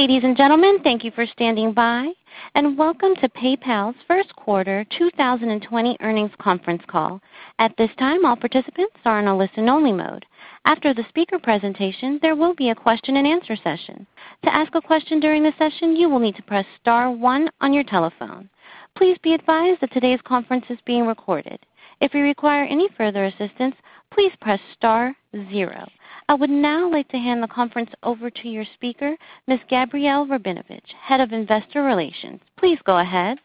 Ladies and gentlemen, thank you for standing by, and welcome to PayPal's first quarter 2020 earnings conference call. At this time, all participants are in a listen-only mode. After the speaker presentation, there will be a question and answer session. To ask a question during the session, you will need to press star one on your telephone. Please be advised that today's conference is being recorded. If you require any further assistance, please press star zero. I would now like to hand the conference over to your speaker, Ms. Gabrielle Rabinovitch, Head of Investor Relations. Please go ahead.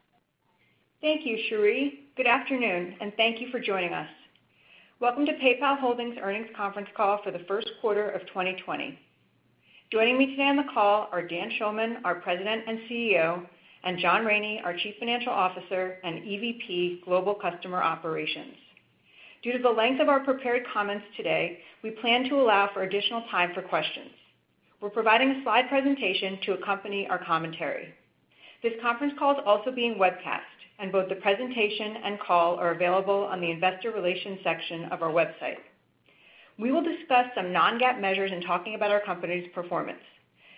Thank you, Sheree. Good afternoon, and thank you for joining us. Welcome to PayPal Holdings earnings conference call for the first quarter of 2020. Joining me today on the call are Dan Schulman, our President and Chief Executive Officer, and John Rainey, our Chief Financial Officer and EVP Global Customer Operations. Due to the length of our prepared comments today, we plan to allow for additional time for questions. We're providing a slide presentation to accompany our commentary. This conference call is also being webcast, and both the presentation and call are available on the investor relations section of our website. We will discuss some Non-GAAP measures in talking about our company's performance.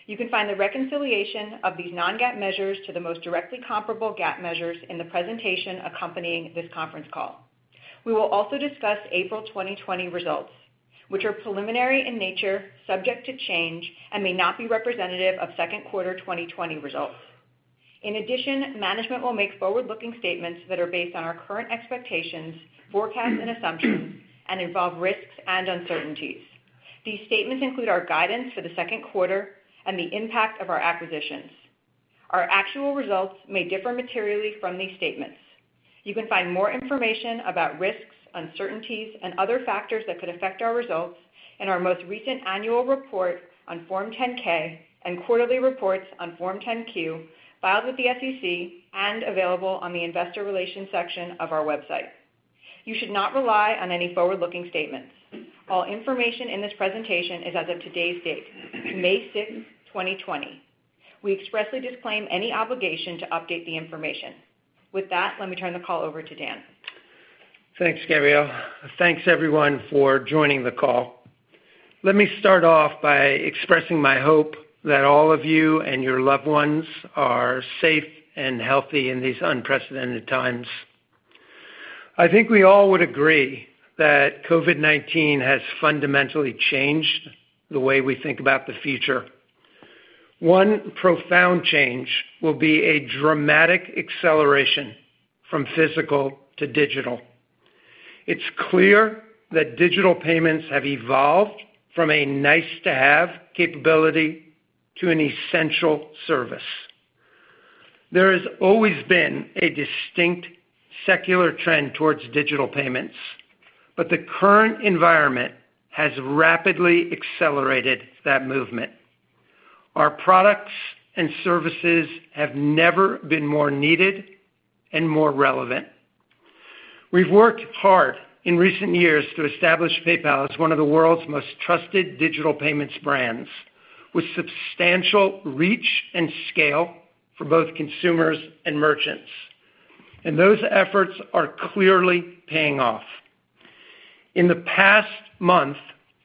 You can find the reconciliation of these Non-GAAP measures to the most directly comparable GAAP measures in the presentation accompanying this conference call. We will also discuss April 2020 results, which are preliminary in nature, subject to change, and may not be representative of second quarter 2020 results. In addition, management will make forward-looking statements that are based on our current expectations, forecasts, and assumptions and involve risks and uncertainties. These statements include our guidance for the second quarter and the impact of our acquisitions. Our actual results may differ materially from these statements. You can find more information about risks, uncertainties, and other factors that could affect our results in our most recent annual report on Form 10-K and quarterly reports on Form 10-Q filed with the SEC and available on the investor relations section of our website. You should not rely on any forward-looking statements. All information in this presentation is as of today's date, May 6th, 2020. We expressly disclaim any obligation to update the information. With that, let me turn the call over to Dan. Thanks, Gabrielle. Thanks, everyone, for joining the call. Let me start off by expressing my hope that all of you and your loved ones are safe and healthy in these unprecedented times. I think we all would agree that COVID-19 has fundamentally changed the way we think about the future. One profound change will be a dramatic acceleration from physical to digital. It's clear that digital payments have evolved from a nice-to-have capability to an essential service. There has always been a distinct secular trend towards digital payments. The current environment has rapidly accelerated that movement. Our products and services have never been more needed and more relevant. We've worked hard in recent years to establish PayPal as one of the world's most trusted digital payments brands, with substantial reach and scale for both consumers and merchants. Those efforts are clearly paying off. In the past month,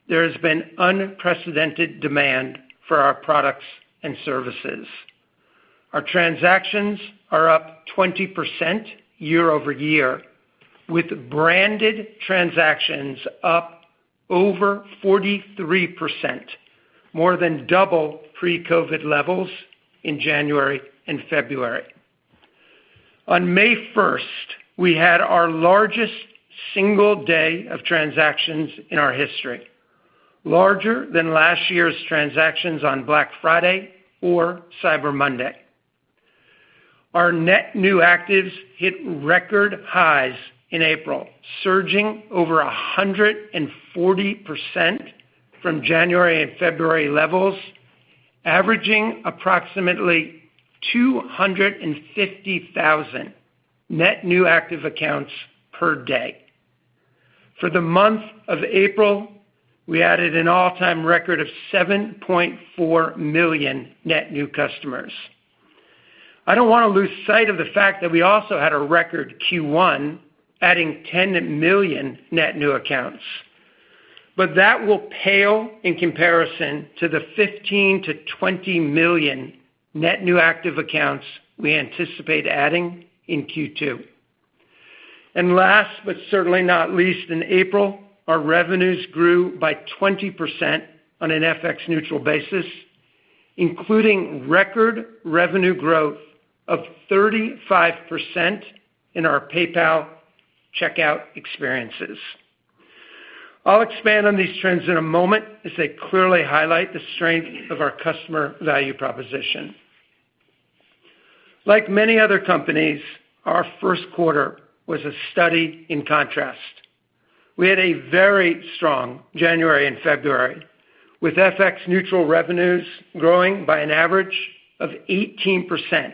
there has been unprecedented demand for our products and services. Our transactions are up 20% year-over-year, with branded transactions up over 43%, more than double pre-COVID levels in January and February. On May 1st, we had our largest single day of transactions in our history, larger than last year's transactions on Black Friday or Cyber Monday. Our net new actives hit record highs in April, surging over 140% from January and February levels, averaging approximately 250,000 net new active accounts per day. For the month of April, we added an all-time record of 7.4 million net new customers. I don't want to lose sight of the fact that we also had a record Q1, adding 10 million net new accounts, but that will pale in comparison to the 15 million-20 million net new active accounts we anticipate adding in Q2. Last, but certainly not least, in April, our revenues grew by 20% on an FX neutral basis, including record revenue growth of 35% in our PayPal checkout experiences. I'll expand on these trends in a moment as they clearly highlight the strength of our customer value proposition. Like many other companies, our first quarter was a study in contrast. We had a very strong January and February, with FX neutral revenues growing by an average of 18%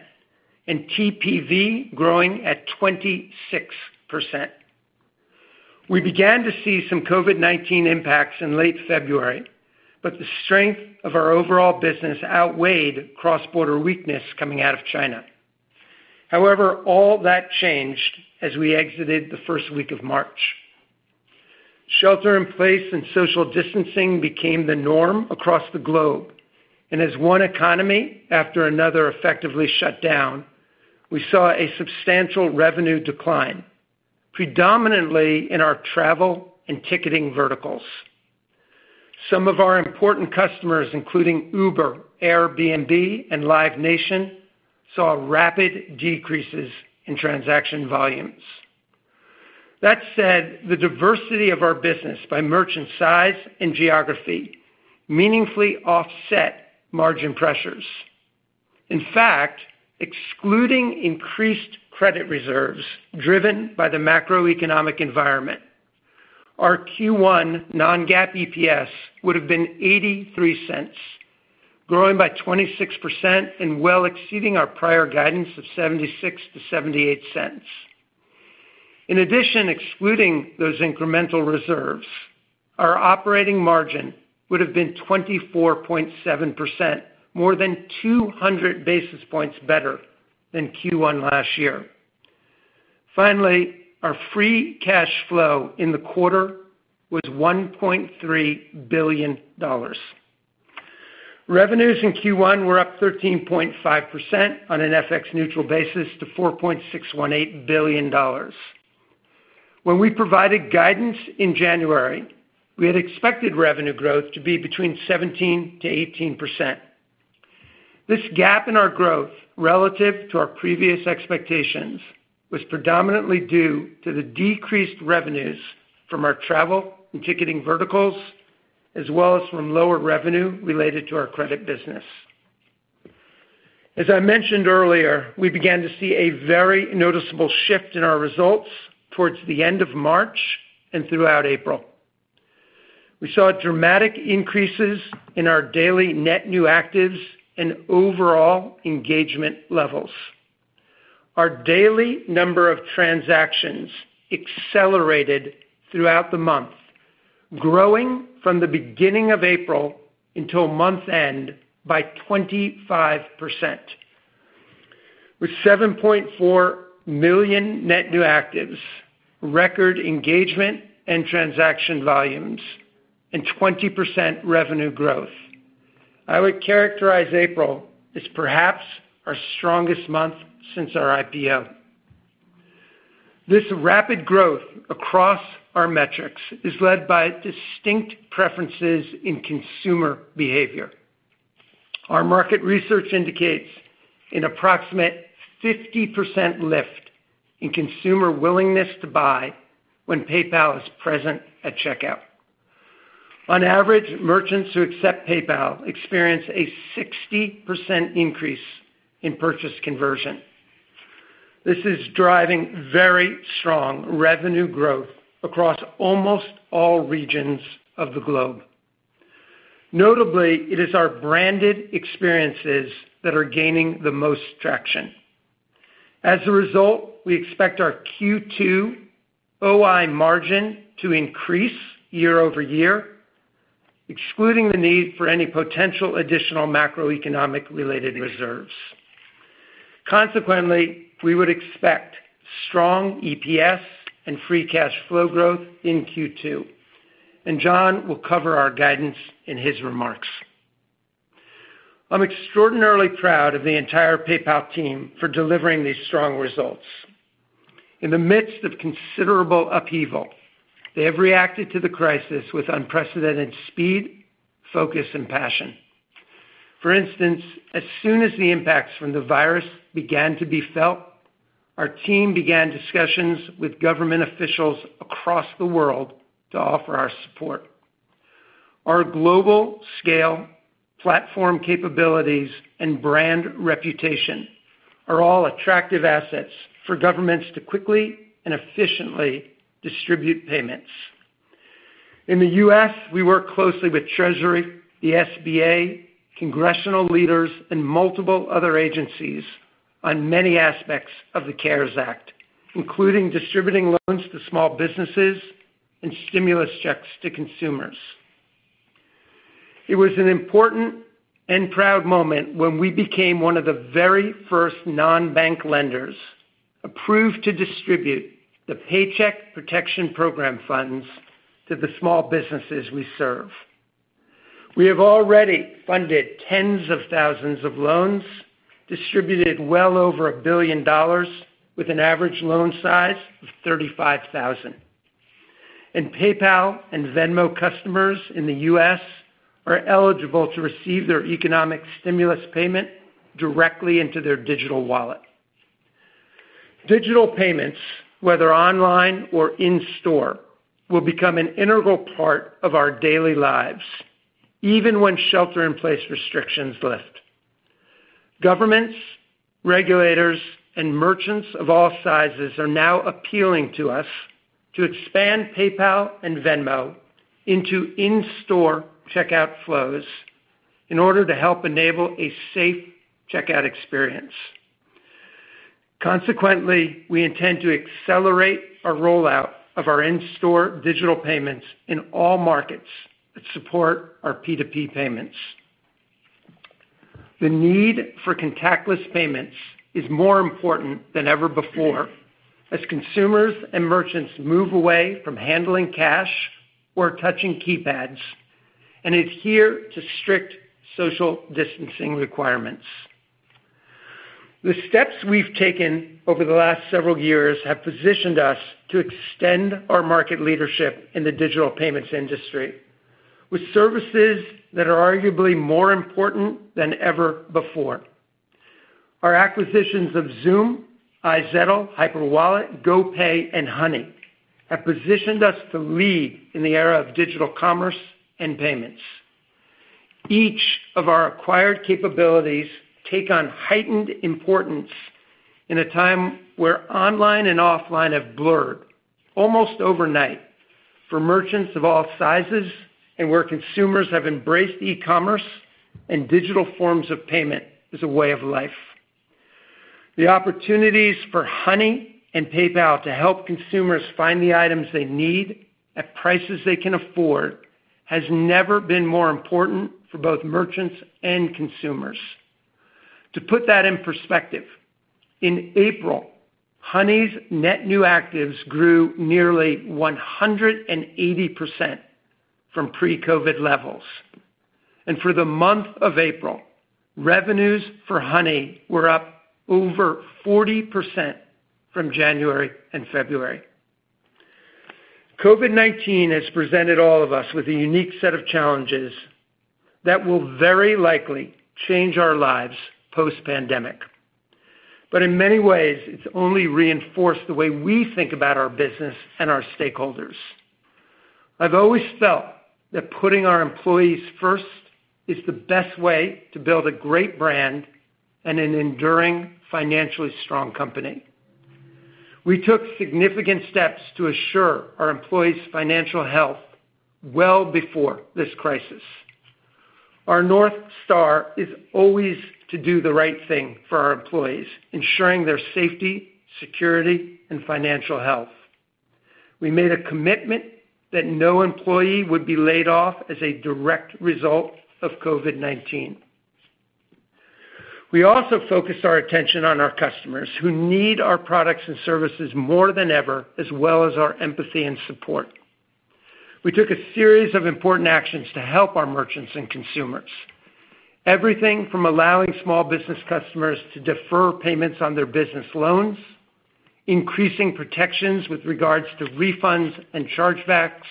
and TPV growing at 26%. We began to see some COVID-19 impacts in late February, the strength of our overall business outweighed cross-border weakness coming out of China. All that changed as we exited the first week of March. Shelter in place and social distancing became the norm across the globe. As one economy after another effectively shut down, we saw a substantial revenue decline, predominantly in our travel and ticketing verticals. Some of our important customers, including Uber, Airbnb, and Live Nation, saw rapid decreases in transaction volumes. That said, the diversity of our business by merchant size and geography meaningfully offset margin pressures. In fact, excluding increased credit reserves driven by the macroeconomic environment, our Q1 Non-GAAP EPS would have been $0.83, growing by 26% and well exceeding our prior guidance of $0.76-$0.78. In addition, excluding those incremental reserves, our operating margin would have been 24.7%, more than 200 basis points better than Q1 last year. Finally, our free cash flow in the quarter was $1.3 billion. Revenues in Q1 were up 13.5% on an FX neutral basis to $4.618 billion. When we provided guidance in January, we had expected revenue growth to be between 17%-18%. This gap in our growth relative to our previous expectations was predominantly due to the decreased revenues from our travel and ticketing verticals, as well as from lower revenue related to our credit business. As I mentioned earlier, we began to see a very noticeable shift in our results towards the end of March and throughout April. We saw dramatic increases in our daily net new actives and overall engagement levels. Our daily number of transactions accelerated throughout the month, growing from the beginning of April until month-end by 25%, with 7.4 million net new actives, record engagement and transaction volumes, and 20% revenue growth. I would characterize April as perhaps our strongest month since our IPO. This rapid growth across our metrics is led by distinct preferences in consumer behavior. Our market research indicates an approximate 50% lift in consumer willingness to buy when PayPal is present at checkout. On average, merchants who accept PayPal experience a 60% increase in purchase conversion. This is driving very strong revenue growth across almost all regions of the globe. Notably, it is our branded experiences that are gaining the most traction. As a result, we expect our Q2 OI margin to increase year-over-year, excluding the need for any potential additional macroeconomic-related reserves. Consequently, we would expect strong EPS and free cash flow growth in Q2, and John will cover our guidance in his remarks. I'm extraordinarily proud of the entire PayPal team for delivering these strong results. In the midst of considerable upheaval, they have reacted to the crisis with unprecedented speed, focus, and passion. For instance, as soon as the impacts from the virus began to be felt, our team began discussions with government officials across the world to offer our support. Our global scale, platform capabilities, and brand reputation are all attractive assets for governments to quickly and efficiently distribute payments. In the U.S., we work closely with Treasury, the SBA, congressional leaders, and multiple other agencies on many aspects of the CARES Act, including distributing loans to small businesses and stimulus checks to consumers. It was an important and proud moment when we became one of the very first non-bank lenders approved to distribute the Paycheck Protection Program funds to the small businesses we serve. We have already funded tens of thousands of loans, distributed well over $1 billion, with an average loan size of $35,000. PayPal and Venmo customers in the U.S. are eligible to receive their economic stimulus payment directly into their digital wallet. Digital payments, whether online or in-store, will become an integral part of our daily lives, even when shelter-in-place restrictions lift. Governments, regulators, and merchants of all sizes are now appealing to us to expand PayPal and Venmo into in-store checkout flows in order to help enable a safe checkout experience. Consequently, we intend to accelerate our rollout of our in-store digital payments in all markets that support our P2P payments. The need for contactless payments is more important than ever before as consumers and merchants move away from handling cash or touching keypads and adhere to strict social distancing requirements. The steps we've taken over the last several years have positioned us to extend our market leadership in the digital payments industry with services that are arguably more important than ever before. Our acquisitions of Xoom, iZettle, Hyperwallet, GoPay, and Honey have positioned us to lead in the era of digital commerce and payments. Each of our acquired capabilities take on heightened importance in a time where online and offline have blurred almost overnight for merchants of all sizes, and where consumers have embraced e-commerce and digital forms of payment as a way of life. The opportunities for Honey and PayPal to help consumers find the items they need at prices they can afford has never been more important for both merchants and consumers. To put that in perspective, in April, Honey's net new actives grew nearly 180% from pre-COVID levels. For the month of April, revenues for Honey were up over 40% from January and February. COVID-19 has presented all of us with a unique set of challenges that will very likely change our lives post-pandemic. In many ways, it's only reinforced the way we think about our business and our stakeholders. I've always felt that putting our employees first is the best way to build a great brand and an enduring financially strong company. We took significant steps to assure our employees' financial health well before this crisis. Our North Star is always to do the right thing for our employees, ensuring their safety, security, and financial health. We made a commitment that no employee would be laid off as a direct result of COVID-19. We also focused our attention on our customers who need our products and services more than ever, as well as our empathy and support. We took a series of important actions to help our merchants and consumers. Everything from allowing small business customers to defer payments on their business loans, increasing protections with regards to refunds and chargebacks,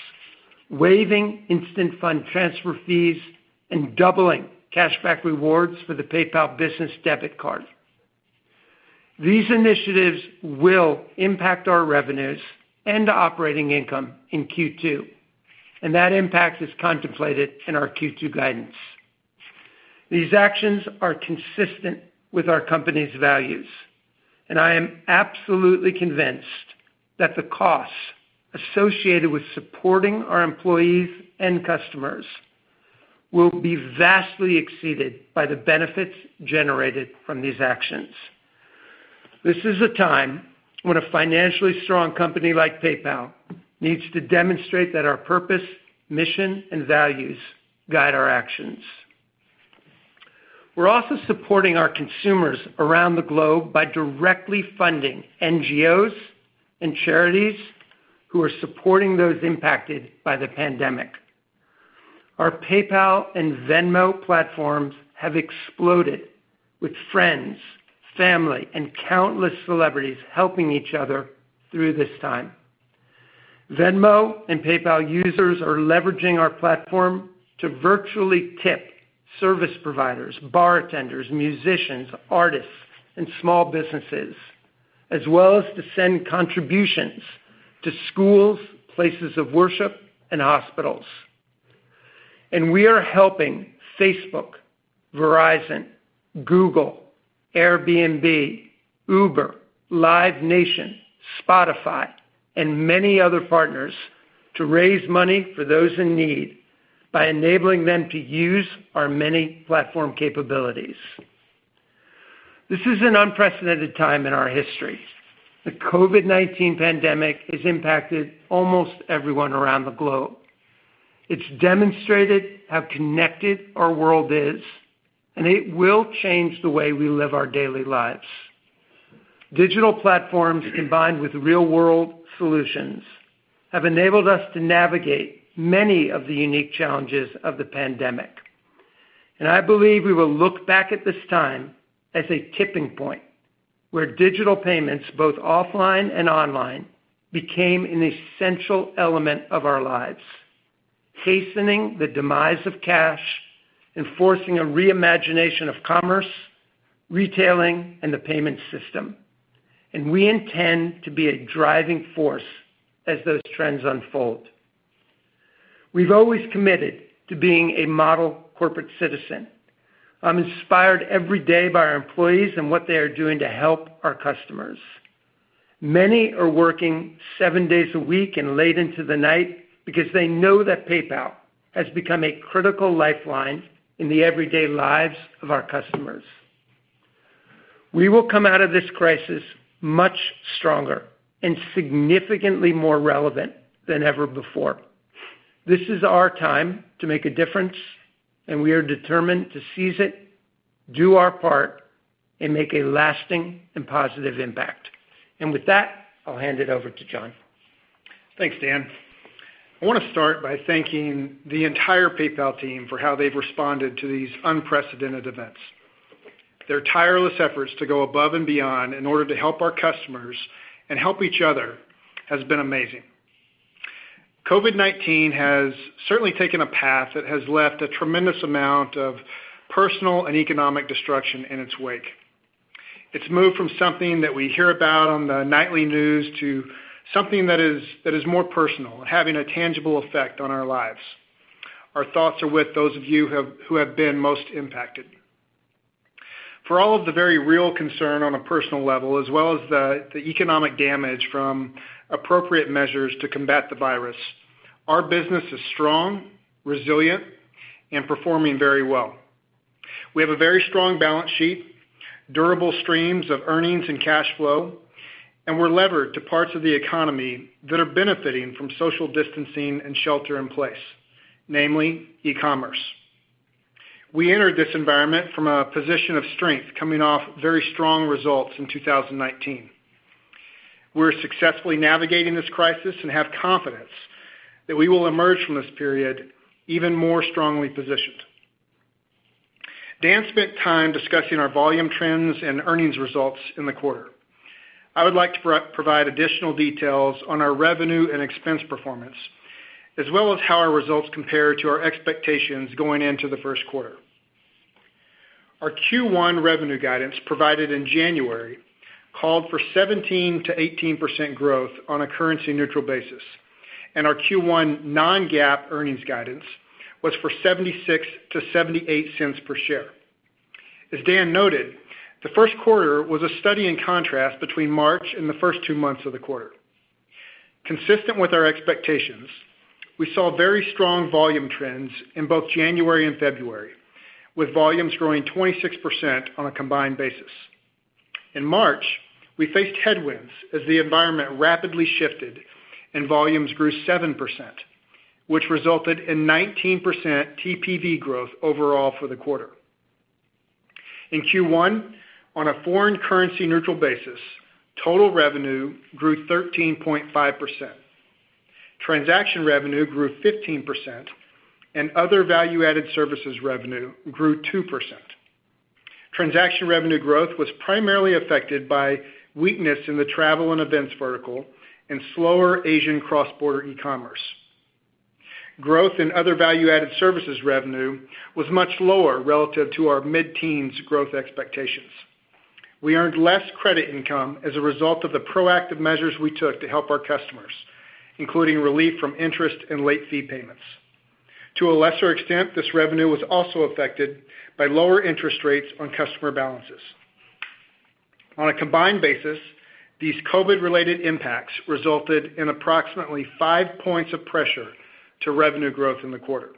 waiving instant fund transfer fees, and doubling cashback rewards for the PayPal Business Debit Mastercard. These initiatives will impact our revenues and operating income in Q2, and that impact is contemplated in our Q2 guidance. These actions are consistent with our company's values, and I am absolutely convinced that the costs associated with supporting our employees and customers will be vastly exceeded by the benefits generated from these actions. This is a time when a financially strong company like PayPal needs to demonstrate that our purpose, mission, and values guide our actions. We're also supporting our consumers around the globe by directly funding NGOs and charities who are supporting those impacted by the pandemic. Our PayPal and Venmo platforms have exploded with friends, family, and countless celebrities helping each other through this time. Venmo and PayPal users are leveraging our platform to virtually tip service providers, bartenders, musicians, artists, and small businesses, as well as to send contributions to schools, places of worship, and hospitals. We are helping Facebook, Verizon, Google, Airbnb, Uber, Live Nation, Spotify, and many other partners to raise money for those in need by enabling them to use our many platform capabilities. This is an unprecedented time in our history. The COVID-19 pandemic has impacted almost everyone around the globe. It's demonstrated how connected our world is, and it will change the way we live our daily lives. Digital platforms combined with real-world solutions have enabled us to navigate many of the unique challenges of the pandemic. I believe we will look back at this time as a tipping point where digital payments, both offline and online, became an essential element of our lives, hastening the demise of cash and forcing a reimagination of commerce, retailing, and the payment system. We intend to be a driving force as those trends unfold. We've always committed to being a model corporate citizen. I'm inspired every day by our employees and what they are doing to help our customers. Many are working seven days a week and late into the night because they know that PayPal has become a critical lifeline in the everyday lives of our customers. We will come out of this crisis much stronger and significantly more relevant than ever before. This is our time to make a difference, and we are determined to seize it, do our part, and make a lasting and positive impact. With that, I'll hand it over to John. Thanks, Dan. I want to start by thanking the entire PayPal team for how they've responded to these unprecedented events. Their tireless efforts to go above and beyond in order to help our customers and help each other has been amazing. COVID-19 has certainly taken a path that has left a tremendous amount of personal and economic destruction in its wake. It's moved from something that we hear about on the nightly news to something that is more personal, having a tangible effect on our lives. Our thoughts are with those of you who have been most impacted. For all of the very real concern on a personal level, as well as the economic damage from appropriate measures to combat the virus, our business is strong, resilient, and performing very well. We have a very strong balance sheet, durable streams of earnings and cash flow, and we're levered to parts of the economy that are benefiting from social distancing and shelter in place, namely e-commerce. We entered this environment from a position of strength, coming off very strong results in 2019. We're successfully navigating this crisis and have confidence that we will emerge from this period even more strongly positioned. Dan spent time discussing our volume trends and earnings results in the quarter. I would like to provide additional details on our revenue and expense performance, as well as how our results compare to our expectations going into the first quarter. Our Q1 revenue guidance provided in January called for 17%-18% growth on a currency-neutral basis, and our Q1 Non-GAAP earnings guidance was for $0.76-$0.78 per share. As Dan noted, the first quarter was a study in contrast between March and the first two months of the quarter. Consistent with our expectations, we saw very strong volume trends in both January and February, with volumes growing 26% on a combined basis. In March, we faced headwinds as the environment rapidly shifted and volumes grew 7%, which resulted in 19% TPV growth overall for the quarter. In Q1, on a foreign currency neutral basis, total revenue grew 13.5%. Transaction revenue grew 15%, and other value-added services revenue grew 2%. Transaction revenue growth was primarily affected by weakness in the travel and events vertical and slower Asian cross-border e-commerce. Growth in other value-added services revenue was much lower relative to our mid-teens growth expectations. We earned less credit income as a result of the proactive measures we took to help our customers, including relief from interest and late fee payments. To a lesser extent, this revenue was also affected by lower interest rates on customer balances. On a combined basis, these COVID-related impacts resulted in approximately five points of pressure to revenue growth in the quarter.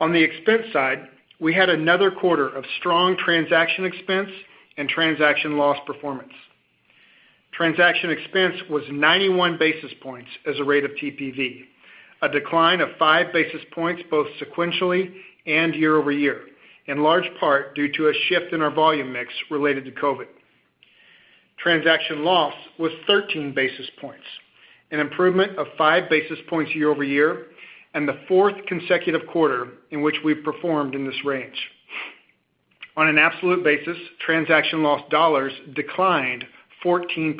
On the expense side, we had another quarter of strong transaction expense and transaction loss performance. Transaction expense was 91 basis points as a rate of TPV, a decline of five basis points both sequentially and year-over-year, in large part due to a shift in our volume mix related to COVID. Transaction loss was 13 basis points, an improvement of five basis points year-over-year, and the fourth consecutive quarter in which we've performed in this range. On an absolute basis, transaction loss dollars declined 14%.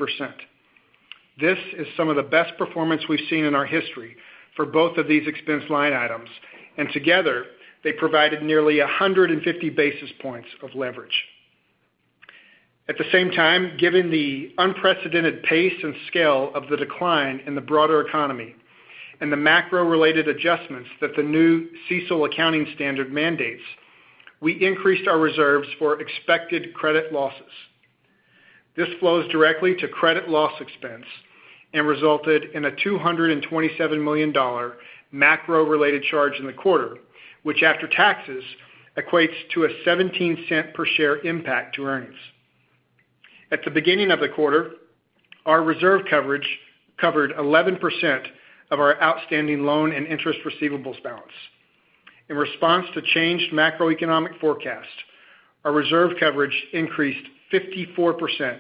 This is some of the best performance we've seen in our history for both of these expense line items, and together, they provided nearly 150 basis points of leverage. At the same time, given the unprecedented pace and scale of the decline in the broader economy and the macro-related adjustments that the new CECL accounting standard mandates, we increased our reserves for expected credit losses. This flows directly to credit loss expense and resulted in a $227 million macro-related charge in the quarter, which after taxes equates to a $0.17 per share impact to earnings. At the beginning of the quarter, our reserve coverage covered 11% of our outstanding loan and interest receivables balance. In response to changed macroeconomic forecast, our reserve coverage increased 54%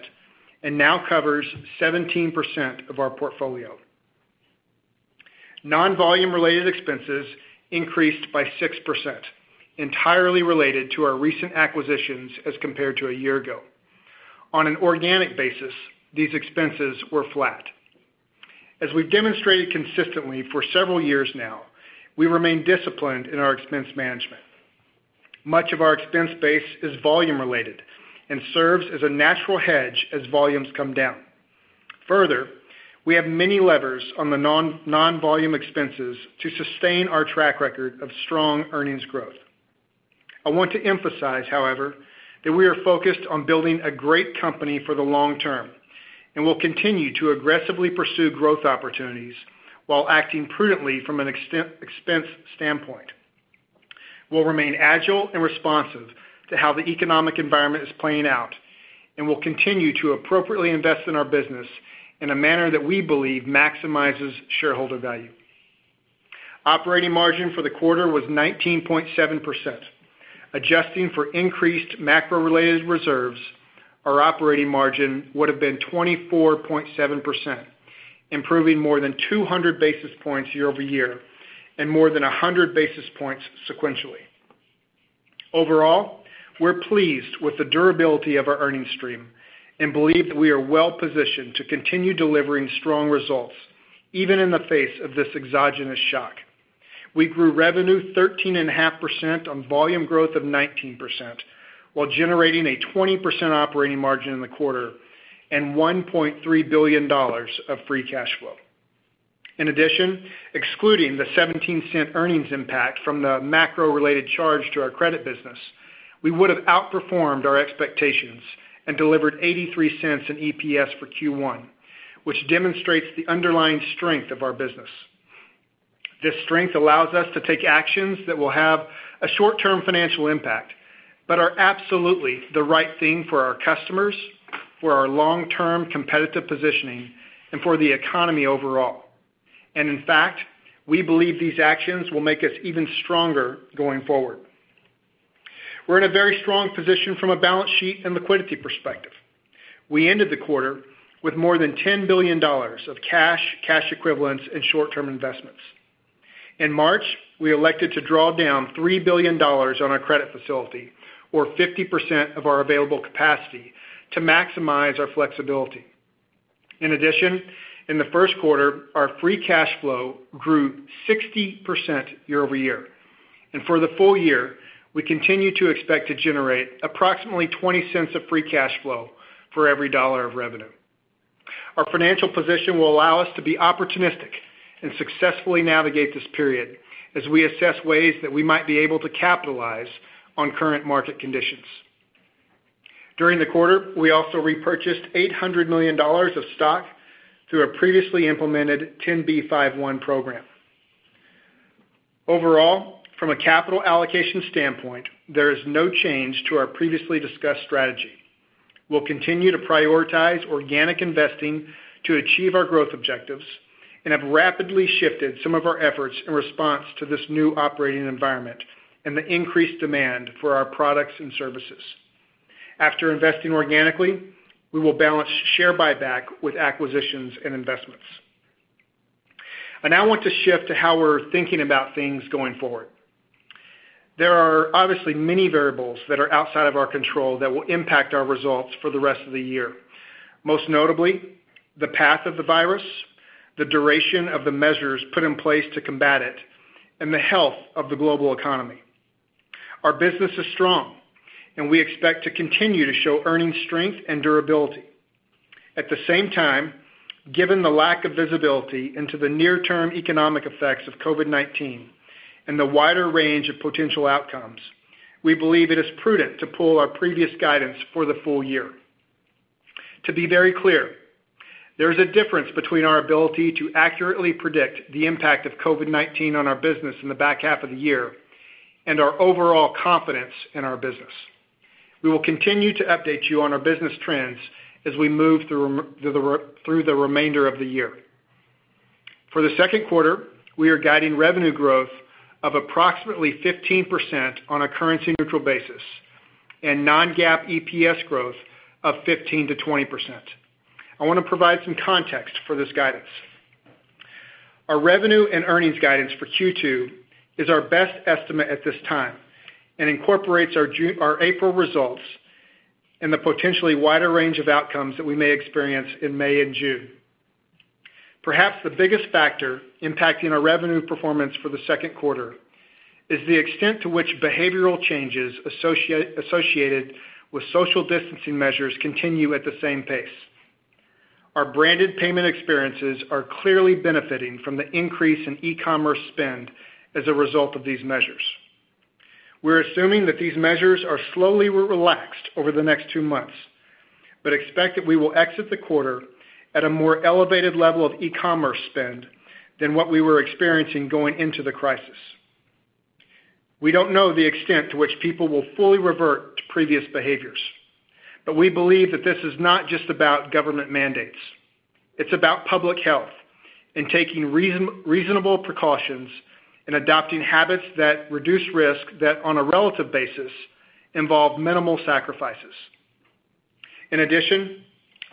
and now covers 17% of our portfolio. Non-volume related expenses increased by 6%, entirely related to our recent acquisitions as compared to a year ago. On an organic basis, these expenses were flat. As we've demonstrated consistently for several years now, we remain disciplined in our expense management. Much of our expense base is volume related and serves as a natural hedge as volumes come down. We have many levers on the non-volume expenses to sustain our track record of strong earnings growth. I want to emphasize, however, that we are focused on building a great company for the long term. We'll continue to aggressively pursue growth opportunities while acting prudently from an expense standpoint. We'll remain agile and responsive to how the economic environment is playing out, and we'll continue to appropriately invest in our business in a manner that we believe maximizes shareholder value. Operating margin for the quarter was 19.7%. Adjusting for increased macro-related reserves, our operating margin would've been 24.7%, improving more than 200 basis points year-over-year, and more than 100 basis points sequentially. Overall, we're pleased with the durability of our earnings stream and believe that we are well-positioned to continue delivering strong results, even in the face of this exogenous shock. We grew revenue 13.5% on volume growth of 19%, while generating a 20% operating margin in the quarter and $1.3 billion of free cash flow. In addition, excluding the $0.17 earnings impact from the macro-related charge to our credit business, we would've outperformed our expectations and delivered $0.83 in EPS for Q1, which demonstrates the underlying strength of our business. This strength allows us to take actions that will have a short-term financial impact, but are absolutely the right thing for our customers, for our long-term competitive positioning, and for the economy overall. In fact, we believe these actions will make us even stronger going forward. We're in a very strong position from a balance sheet and liquidity perspective. We ended the quarter with more than $10 billion of cash equivalents, and short-term investments. In March, we elected to draw down $3 billion on our credit facility or 50% of our available capacity to maximize our flexibility. In the first quarter, our free cash flow grew 60% year-over-year. For the full year, we continue to expect to generate approximately $0.20 of free cash flow for every $1.00 of revenue. Our financial position will allow us to be opportunistic and successfully navigate this period as we assess ways that we might be able to capitalize on current market conditions. During the quarter, we also repurchased $800 million of stock through our previously implemented 10b5-1 program. Overall, from a capital allocation standpoint, there is no change to our previously discussed strategy. We'll continue to prioritize organic investing to achieve our growth objectives and have rapidly shifted some of our efforts in response to this new operating environment and the increased demand for our products and services. After investing organically, we will balance share buyback with acquisitions and investments. I now want to shift to how we're thinking about things going forward. There are obviously many variables that are outside of our control that will impact our results for the rest of the year. Most notably, the path of the virus, the duration of the measures put in place to combat it, and the health of the global economy. Our business is strong, and we expect to continue to show earnings strength and durability. At the same time, given the lack of visibility into the near-term economic effects of COVID-19 and the wider range of potential outcomes, we believe it is prudent to pull our previous guidance for the full year. To be very clear, there is a difference between our ability to accurately predict the impact of COVID-19 on our business in the back half of the year and our overall confidence in our business. We will continue to update you on our business trends as we move through the remainder of the year. For the second quarter, we are guiding revenue growth of approximately 15% on a currency-neutral basis and Non-GAAP EPS growth of 15%-20%. I want to provide some context for this guidance. Our revenue and earnings guidance for Q2 is our best estimate at this time and incorporates our April results and the potentially wider range of outcomes that we may experience in May and June. Perhaps the biggest factor impacting our revenue performance for the second quarter is the extent to which behavioral changes associated with social distancing measures continue at the same pace. Our branded payment experiences are clearly benefiting from the increase in e-commerce spend as a result of these measures. We're assuming that these measures are slowly relaxed over the next two months, but expect that we will exit the quarter at a more elevated level of e-commerce spend than what we were experiencing going into the crisis. We don't know the extent to which people will fully revert to previous behaviors, but we believe that this is not just about government mandates. It's about public health and taking reasonable precautions and adopting habits that reduce risk that on a relative basis involve minimal sacrifices. In addition,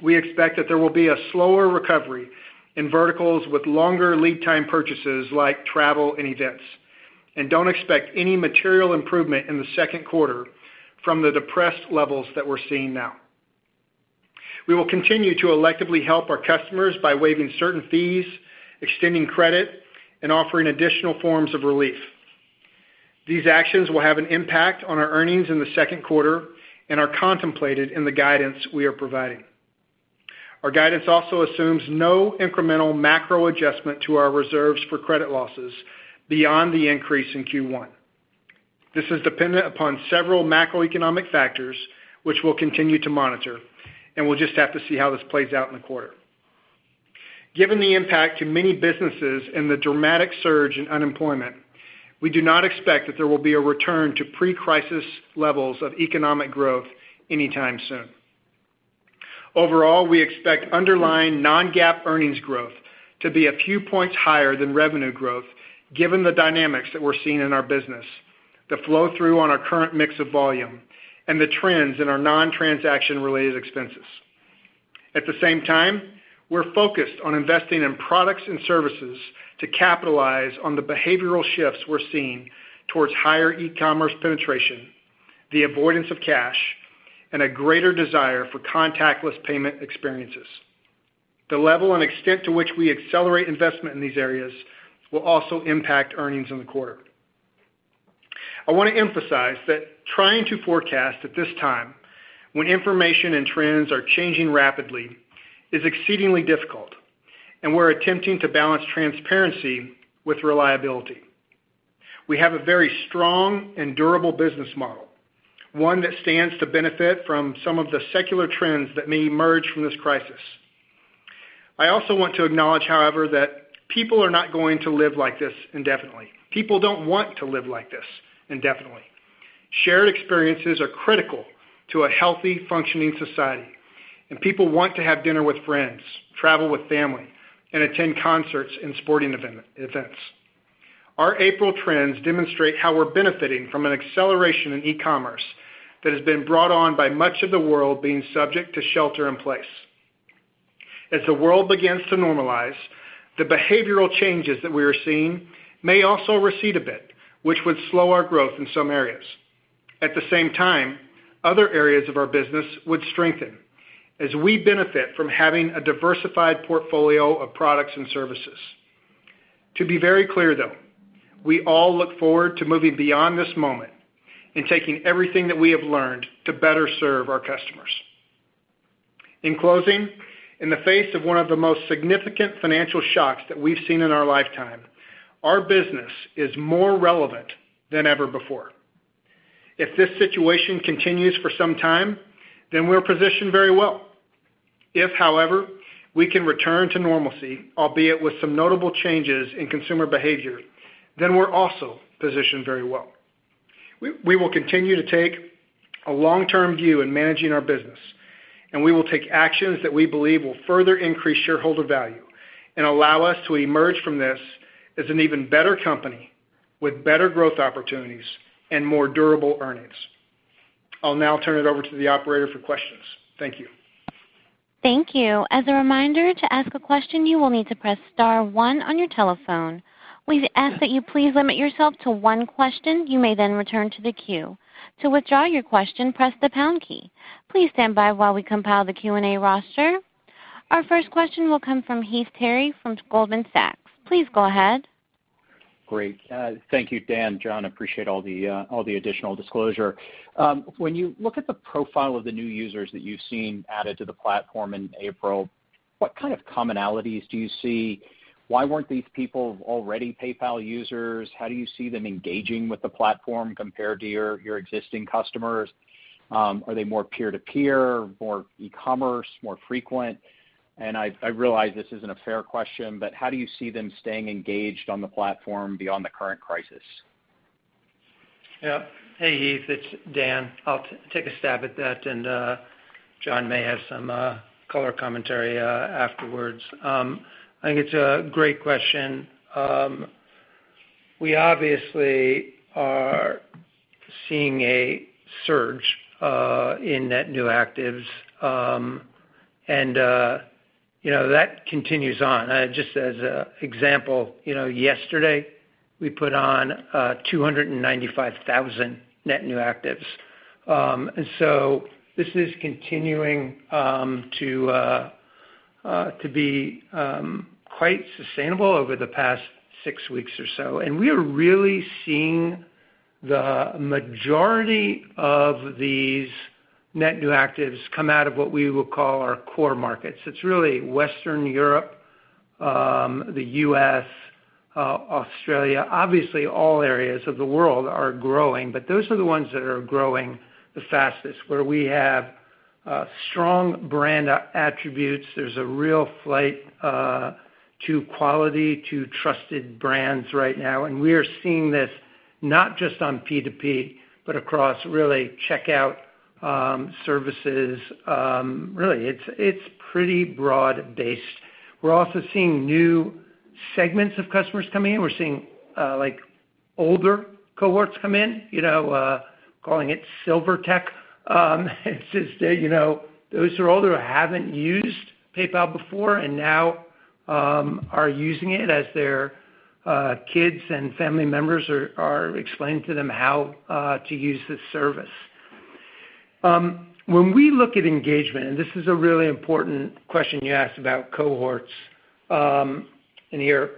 we expect that there will be a slower recovery in verticals with longer lead time purchases like travel and events, and don't expect any material improvement in the second quarter from the depressed levels that we're seeing now. We will continue to electively help our customers by waiving certain fees, extending credit, and offering additional forms of relief. These actions will have an impact on our earnings in the second quarter and are contemplated in the guidance we are providing. Our guidance also assumes no incremental macro adjustment to our reserves for credit losses beyond the increase in Q1. This is dependent upon several macroeconomic factors which we'll continue to monitor, and we'll just have to see how this plays out in the quarter. Given the impact to many businesses and the dramatic surge in unemployment, we do not expect that there will be a return to pre-crisis levels of economic growth anytime soon. Overall, we expect underlying Non-GAAP earnings growth to be a few points higher than revenue growth, given the dynamics that we're seeing in our business, the flow-through on our current mix of volume, and the trends in our non-transaction-related expenses. At the same time, we're focused on investing in products and services to capitalize on the behavioral shifts we're seeing towards higher e-commerce penetration, the avoidance of cash, and a greater desire for contactless payment experiences. The level and extent to which we accelerate investment in these areas will also impact earnings in the quarter. I want to emphasize that trying to forecast at this time when information and trends are changing rapidly is exceedingly difficult, and we're attempting to balance transparency with reliability. We have a very strong and durable business model, one that stands to benefit from some of the secular trends that may emerge from this crisis. I also want to acknowledge, however, that people are not going to live like this indefinitely. People don't want to live like this indefinitely. Shared experiences are critical to a healthy, functioning society, and people want to have dinner with friends, travel with family, and attend concerts and sporting events. Our April trends demonstrate how we're benefiting from an acceleration in e-commerce that has been brought on by much of the world being subject to shelter in place. As the world begins to normalize, the behavioral changes that we are seeing may also recede a bit, which would slow our growth in some areas. At the same time, other areas of our business would strengthen as we benefit from having a diversified portfolio of products and services. To be very clear though, we all look forward to moving beyond this moment and taking everything that we have learned to better serve our customers. In closing, in the face of one of the most significant financial shocks that we've seen in our lifetime, our business is more relevant than ever before. If this situation continues for some time, then we're positioned very well. If, however, we can return to normalcy, albeit with some notable changes in consumer behavior, then we're also positioned very well. We will continue to take a long-term view in managing our business, and we will take actions that we believe will further increase shareholder value and allow us to emerge from this as an even better company with better growth opportunities and more durable earnings. I'll now turn it over to the operator for questions. Thank you. Thank you. As a reminder, to ask a question, you will need to press star one on your telephone. We ask that you please limit yourself to one question. You may then return to the queue. To withdraw your question, press the pound key. Please stand by while we compile the Q&A roster. Our first question will come from Heath Terry from Goldman Sachs. Please go ahead. Great. Thank you, Dan, John. Appreciate all the additional disclosure. When you look at the profile of the new users that you've seen added to the platform in April, what kind of commonalities do you see? Why weren't these people already PayPal users? How do you see them engaging with the platform compared to your existing customers? Are they more peer-to-peer, more e-commerce, more frequent? I realize this isn't a fair question, but how do you see them staying engaged on the platform beyond the current crisis? Yeah. Hey, Heath, it's Dan. I'll take a stab at that. John may have some color commentary afterwards. I think it's a great question. We obviously are seeing a surge in net new actives. That continues on. Just as an example, yesterday we put on 295,000 net new actives. This is continuing to be quite sustainable over the past six weeks or so. We are really seeing the majority of these net new actives come out of what we would call our core markets. It's really Western Europe, the U.S., Australia. Obviously, all areas of the world are growing. Those are the ones that are growing the fastest, where we have strong brand attributes. There's a real flight to quality, to trusted brands right now. We are seeing this not just on P2P, but across really checkout services. Really, it's pretty broad-based. We're also seeing new segments of customers coming in. We're seeing older cohorts come in, calling it silver tech. It's just those who are older, who haven't used PayPal before, and now are using it as their kids and family members are explaining to them how to use this service. When we look at engagement, and this is a really important question you asked about cohorts in here.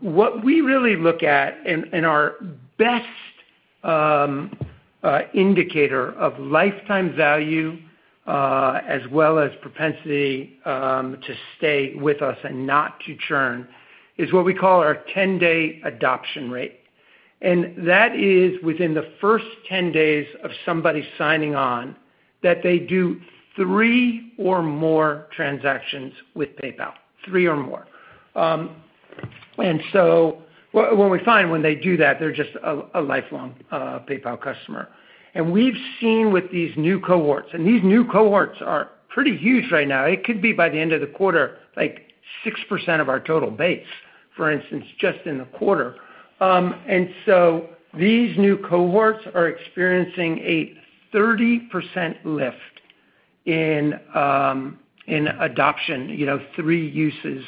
What we really look at, and our best indicator of lifetime value. Propensity to stay with us and not to churn is what we call our 10-day adoption rate. That is within the first 10 days of somebody signing on that they do three or more transactions with PayPal, three or more. What we find when they do that, they're just a lifelong PayPal customer. We've seen with these new cohorts, and these new cohorts are pretty huge right now. It could be by the end of the quarter, 6% of our total base, for instance, just in the quarter. These new cohorts are experiencing a 30% lift in adoption, three uses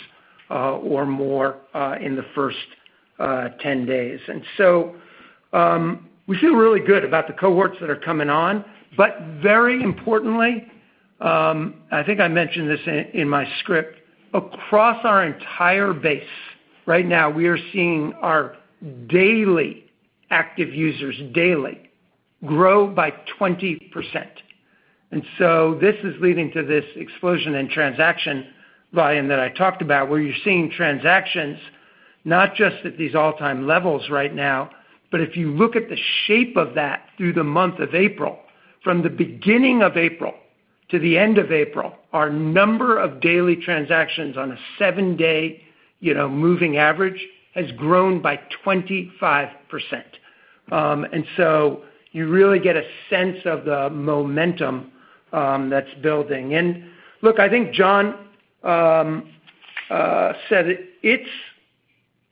or more in the first 10 days. We feel really good about the cohorts that are coming on, but very importantly, I think I mentioned this in my script, across our entire base right now we are seeing our daily active users grow by 20%. This is leading to this explosion in transaction volume that I talked about, where you're seeing transactions not just at these all-time levels right now, but if you look at the shape of that through the month of April, from the beginning of April to the end of April, our number of daily transactions on a seven-day moving average has grown by 25%. You really get a sense of the momentum that's building. Look, I think John said it's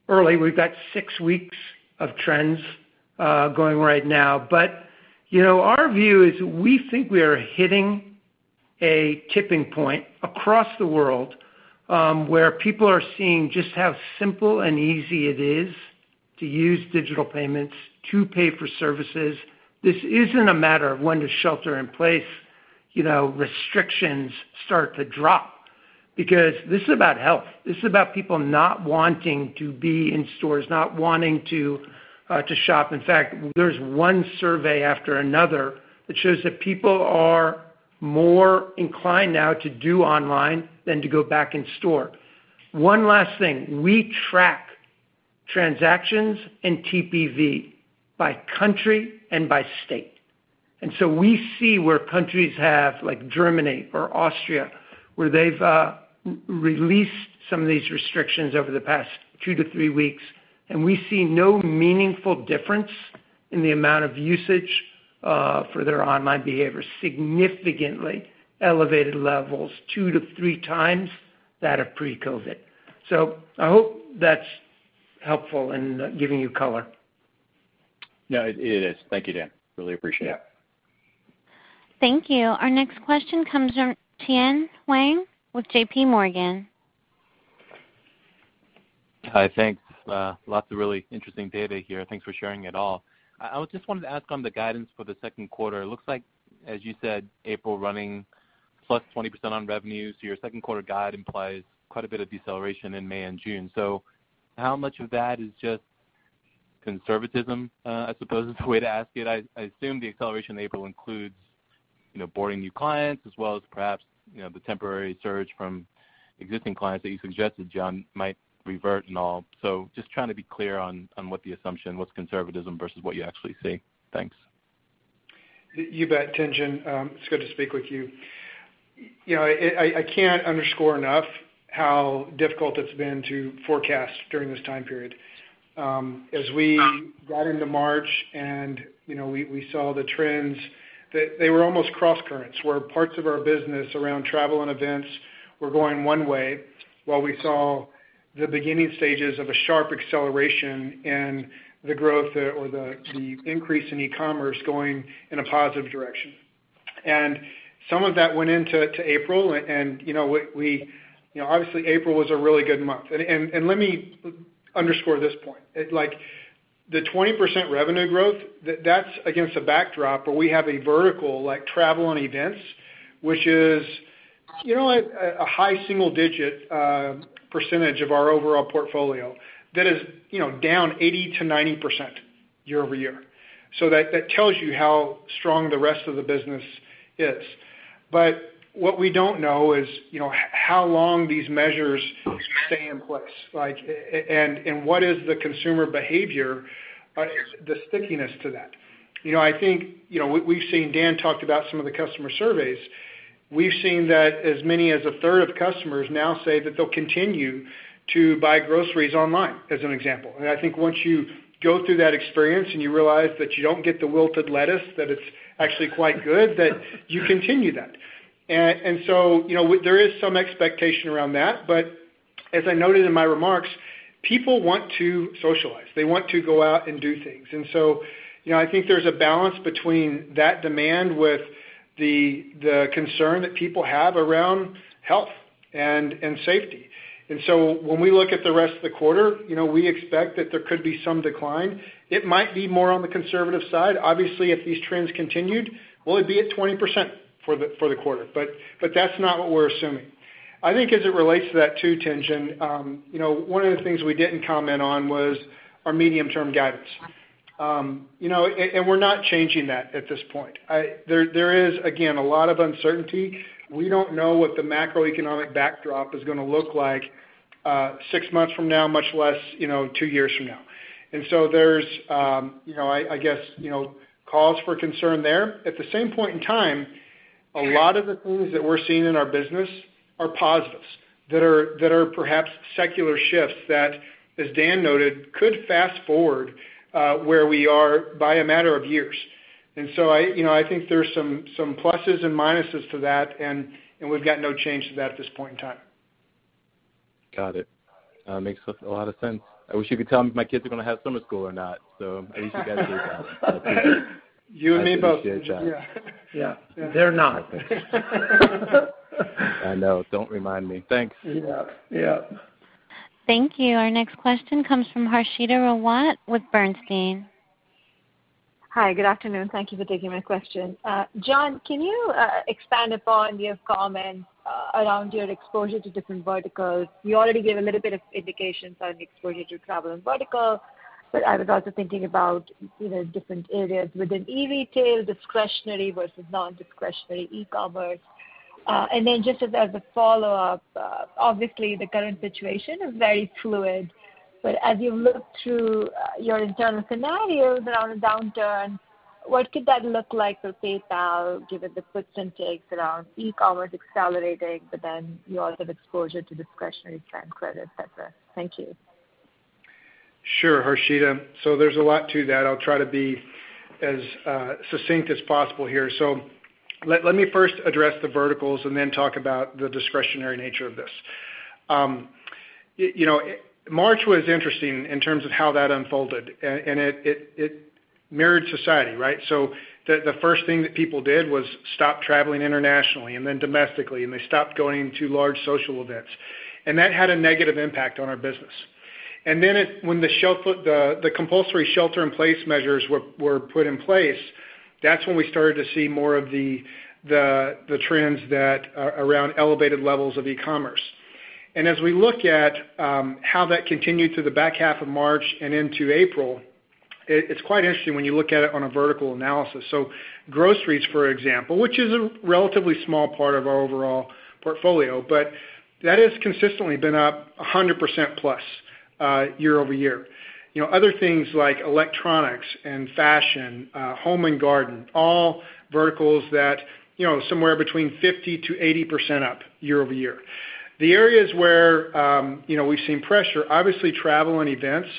early. We've got six weeks of trends going right now. Our view is we think we are hitting a tipping point across the world, where people are seeing just how simple and easy it is to use digital payments to pay for services. This isn't a matter of when does shelter-in-place restrictions start to drop, because this is about health. This is about people not wanting to be in stores, not wanting to shop. In fact, there's one survey after another that shows that people are more inclined now to do online than to go back in store. One last thing. We track transactions and TPV by country and by state. We see where countries have, like Germany or Austria, where they've released some of these restrictions over the past two to three weeks, and we see no meaningful difference in the amount of usage for their online behavior. Significantly elevated levels, 2x-3x that of pre-COVID. I hope that's helpful in giving you color. No, it is. Thank you, Dan. Really appreciate it. Yeah. Thank you. Our next question comes from Tien-Tsin Huang with JPMorgan. Hi. Thanks. Lots of really interesting data here. Thanks for sharing it all. I just wanted to ask on the guidance for the second quarter. It looks like, as you said, April running +20% on revenue, so your second quarter guide implies quite a bit of deceleration in May and June. How much of that is just conservatism, I suppose, is the way to ask it? I assume the acceleration in April includes boarding new clients as well as perhaps the temporary surge from existing clients that you suggested, John, might revert and all. Just trying to be clear on what the assumption, what's conservatism versus what you actually see. Thanks. You bet, Tien. It's good to speak with you. I can't underscore enough how difficult it's been to forecast during this time period. As we got into March and we saw the trends, they were almost cross-currents, where parts of our business around travel and events were going one way while we saw the beginning stages of a sharp acceleration in the growth or the increase in e-commerce going in a positive direction. Some of that went into April, and obviously April was a really good month. Let me underscore this point. The 20% revenue growth, that's against a backdrop where we have a vertical like travel and events, which is a high single-digit percentage of our overall portfolio that is down 80%-90% year-over-year. That tells you how strong the rest of the business is. What we don't know is how long these measures stay in place, and what is the consumer behavior, the stickiness to that. Dan talked about some of the customer surveys. We've seen that as many as 1/3 of customers now say that they'll continue to buy groceries online, as an example. I think once you go through that experience and you realize that you don't get the wilted lettuce, that it's actually quite good, that you continue that. There is some expectation around that, but as I noted in my remarks, people want to socialize. They want to go out and do things. I think there's a balance between that demand with the concern that people have around health and safety. When we look at the rest of the quarter, we expect that there could be some decline. It might be more on the conservative side. Obviously, if these trends continued, will it be at 20% for the quarter? That's not what we're assuming. I think as it relates to that too, Tien, one of the things we didn't comment on was our medium-term guidance. We're not changing that at this point. There is, again, a lot of uncertainty. We don't know what the macroeconomic backdrop is going to look like six months from now, much less two years from now. There's, I guess, cause for concern there. At the same point in time, a lot of the things that we're seeing in our business are positives that are perhaps secular shifts that, as Dan noted, could fast-forward where we are by a matter of years. I think there's some pluses and minuses to that, and we've got no change to that at this point in time. Got it. Makes a lot of sense. I wish you could tell me if my kids are going to have summer school or not. At least you guys know that. You and me both. I appreciate that. Yeah. They're not. I know. Don't remind me. Thanks. Yeah. Yeah. Thank you. Our next question comes from Harshita Rawat with Bernstein. Hi. Good afternoon. Thank you for taking my question. John, can you expand upon your comments around your exposure to different verticals? You already gave a little bit of indication on exposure to travel and vertical, but I was also thinking about different areas within e-retail, discretionary versus non-discretionary e-commerce. Just as a follow-up, obviously the current situation is very fluid, but as you look through your internal scenarios around a downturn, what could that look like for PayPal given the gives and takes around e-commerce accelerating, but then you also have exposure to discretionary trend credit, et cetera. Thank you. Sure, Harshita. There's a lot to that. I'll try to be as succinct as possible here. Let me first address the verticals and then talk about the discretionary nature of this. March was interesting in terms of how that unfolded, and it mirrored society, right? The first thing that people did was stop traveling internationally and then domestically, and they stopped going to large social events. That had a negative impact on our business. Then when the compulsory shelter-in-place measures were put in place, that's when we started to see more of the trends around elevated levels of e-commerce. As we look at how that continued through the back half of March and into April, it's quite interesting when you look at it on a vertical analysis. Groceries, for example, which is a relatively small part of our overall portfolio, but that has consistently been up 100% plus year-over-year. Other things like electronics and fashion, home and garden, all verticals that somewhere between 50%-80% up year-over-year. The areas where we've seen pressure, obviously travel and events.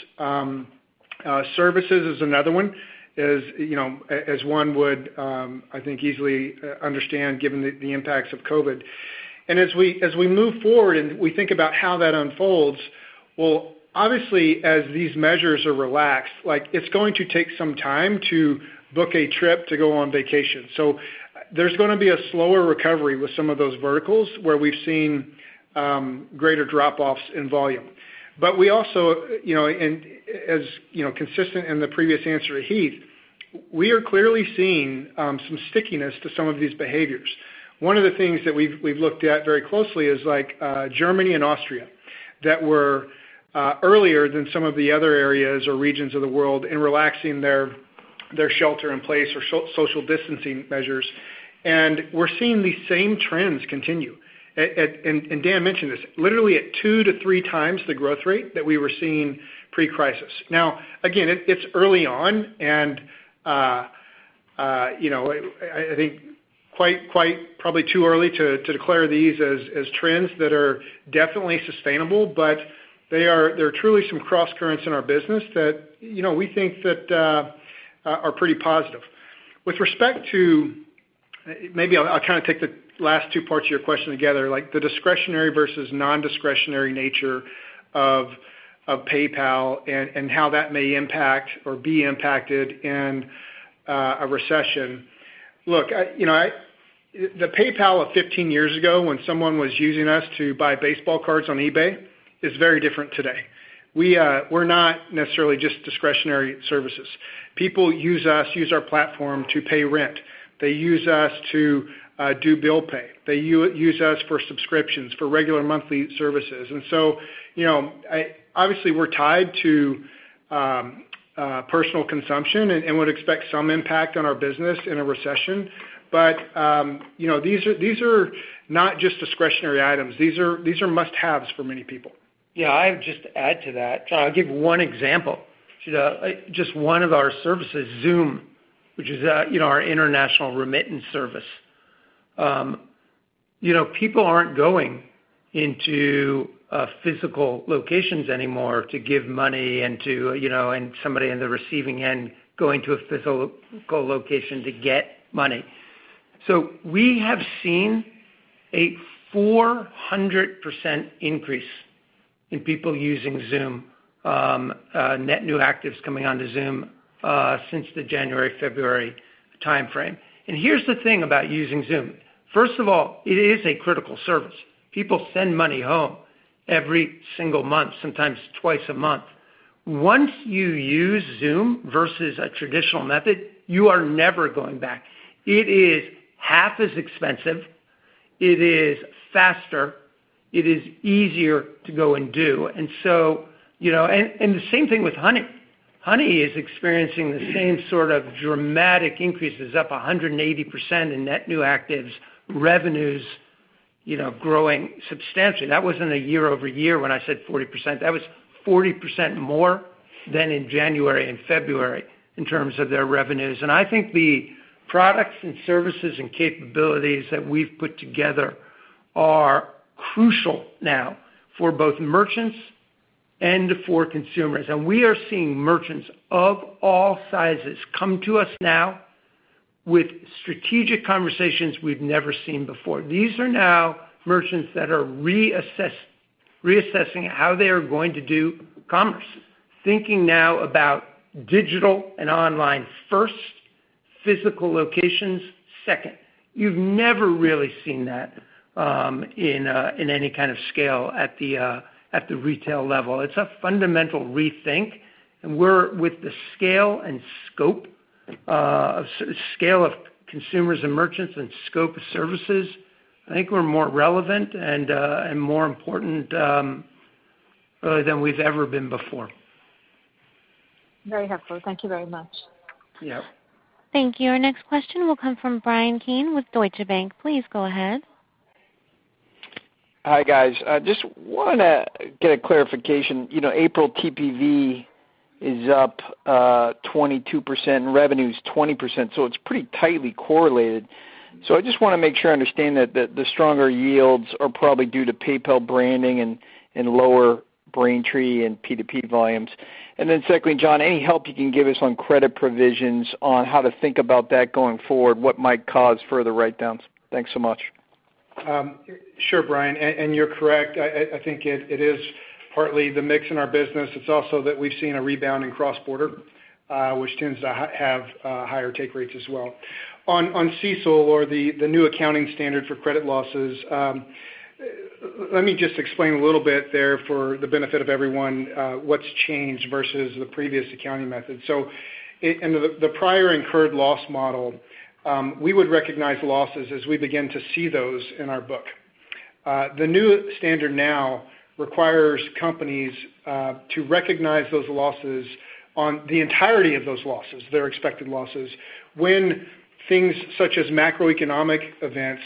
Services is another one, as one would, I think, easily understand given the impacts of COVID. As we move forward and we think about how that unfolds, well, obviously as these measures are relaxed, it's going to take some time to book a trip to go on vacation. There's going to be a slower recovery with some of those verticals where we've seen greater drop-offs in volume. We also, and as consistent in the previous answer with Heath, we are clearly seeing some stickiness to some of these behaviors. One of the things that we've looked at very closely is Germany and Austria, that were earlier than some of the other areas or regions of the world in relaxing their shelter in place or social distancing measures. We're seeing these same trends continue. Dan mentioned this, literally at 2x-3x times the growth rate that we were seeing pre-crisis. Now, again, it's early on and I think quite probably too early to declare these as trends that are definitely sustainable, but there are truly some cross currents in our business that we think that are pretty positive. With respect to, maybe I'll try to take the last two parts of your question together, the discretionary versus non-discretionary nature of PayPal and how that may impact or be impacted in a recession. Look, the PayPal of 15 years ago when someone was using us to buy baseball cards on eBay is very different today. We're not necessarily just discretionary services. People use us, use our platform to pay rent. They use us to do bill pay. They use us for subscriptions, for regular monthly services. Obviously we're tied to personal consumption and would expect some impact on our business in a recession. These are not just discretionary items. These are must-haves for many people. Yeah, I'll just add to that. I'll give one example. Just one of our services, Xoom, which is our international remittance service. People aren't going into physical locations anymore to give money and somebody on the receiving end going to a physical location to get money. We have seen a 400% increase in people using Xoom, net new actives coming onto Xoom, since the January, February timeframe. Here's the thing about using Xoom. First of all, it is a critical service. People send money home every single month, sometimes twice a month. Once you use Xoom versus a traditional method, you are never going back. It is half as expensive. It is faster, it is easier to go and do. The same thing with Honey. Honey is experiencing the same sort of dramatic increases, up 180% in net new actives, revenues growing substantially. That wasn't a year-over-year when I said 40%, that was 40% more than in January and February in terms of their revenues. I think the products and services and capabilities that we've put together are crucial now for both merchants and for consumers. We are seeing merchants of all sizes come to us now with strategic conversations we've never seen before. These are now merchants that are reassessing how they are going to do commerce, thinking now about digital and online first, physical locations second. You've never really seen that in any kind of scale at the retail level. It's a fundamental rethink, we're with the scale and scope, scale of consumers and merchants and scope of services. I think we're more relevant and more important really than we've ever been before. Very helpful. Thank you very much. Yeah. Thank you. Our next question will come from Bryan Keane with Deutsche Bank. Please go ahead. Hi, guys. Just want to get a clarification. April TPV is up 22%, revenue is 20%, so it's pretty tightly correlated. I just want to make sure I understand that the stronger yields are probably due to PayPal branding and lower Braintree and P2P volumes. Secondly, John, any help you can give us on credit provisions on how to think about that going forward, what might cause further write-downs? Thanks so much. Sure, Bryan, and you're correct. I think it is partly the mix in our business. It's also that we've seen a rebound in cross-border, which tends to have higher take rates as well. On CECL or the new accounting standard for credit losses, let me just explain a little bit there for the benefit of everyone, what's changed versus the previous accounting method. In the prior incurred loss model, we would recognize losses as we begin to see those in our book. The new standard now requires companies to recognize those losses on the entirety of those losses, their expected losses, when things such as macroeconomic events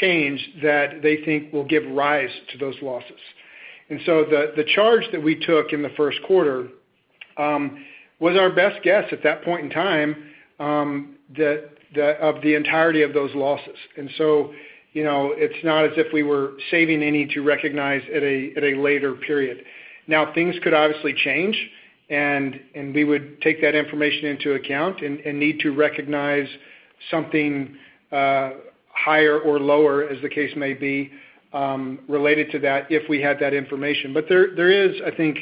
change that they think will give rise to those losses. The charge that we took in the first quarter was our best guess at that point in time of the entirety of those losses. It's not as if we were saving any to recognize at a later period. Things could obviously change, and we would take that information into account and need to recognize something higher or lower as the case may be, related to that if we had that information. There is, I think,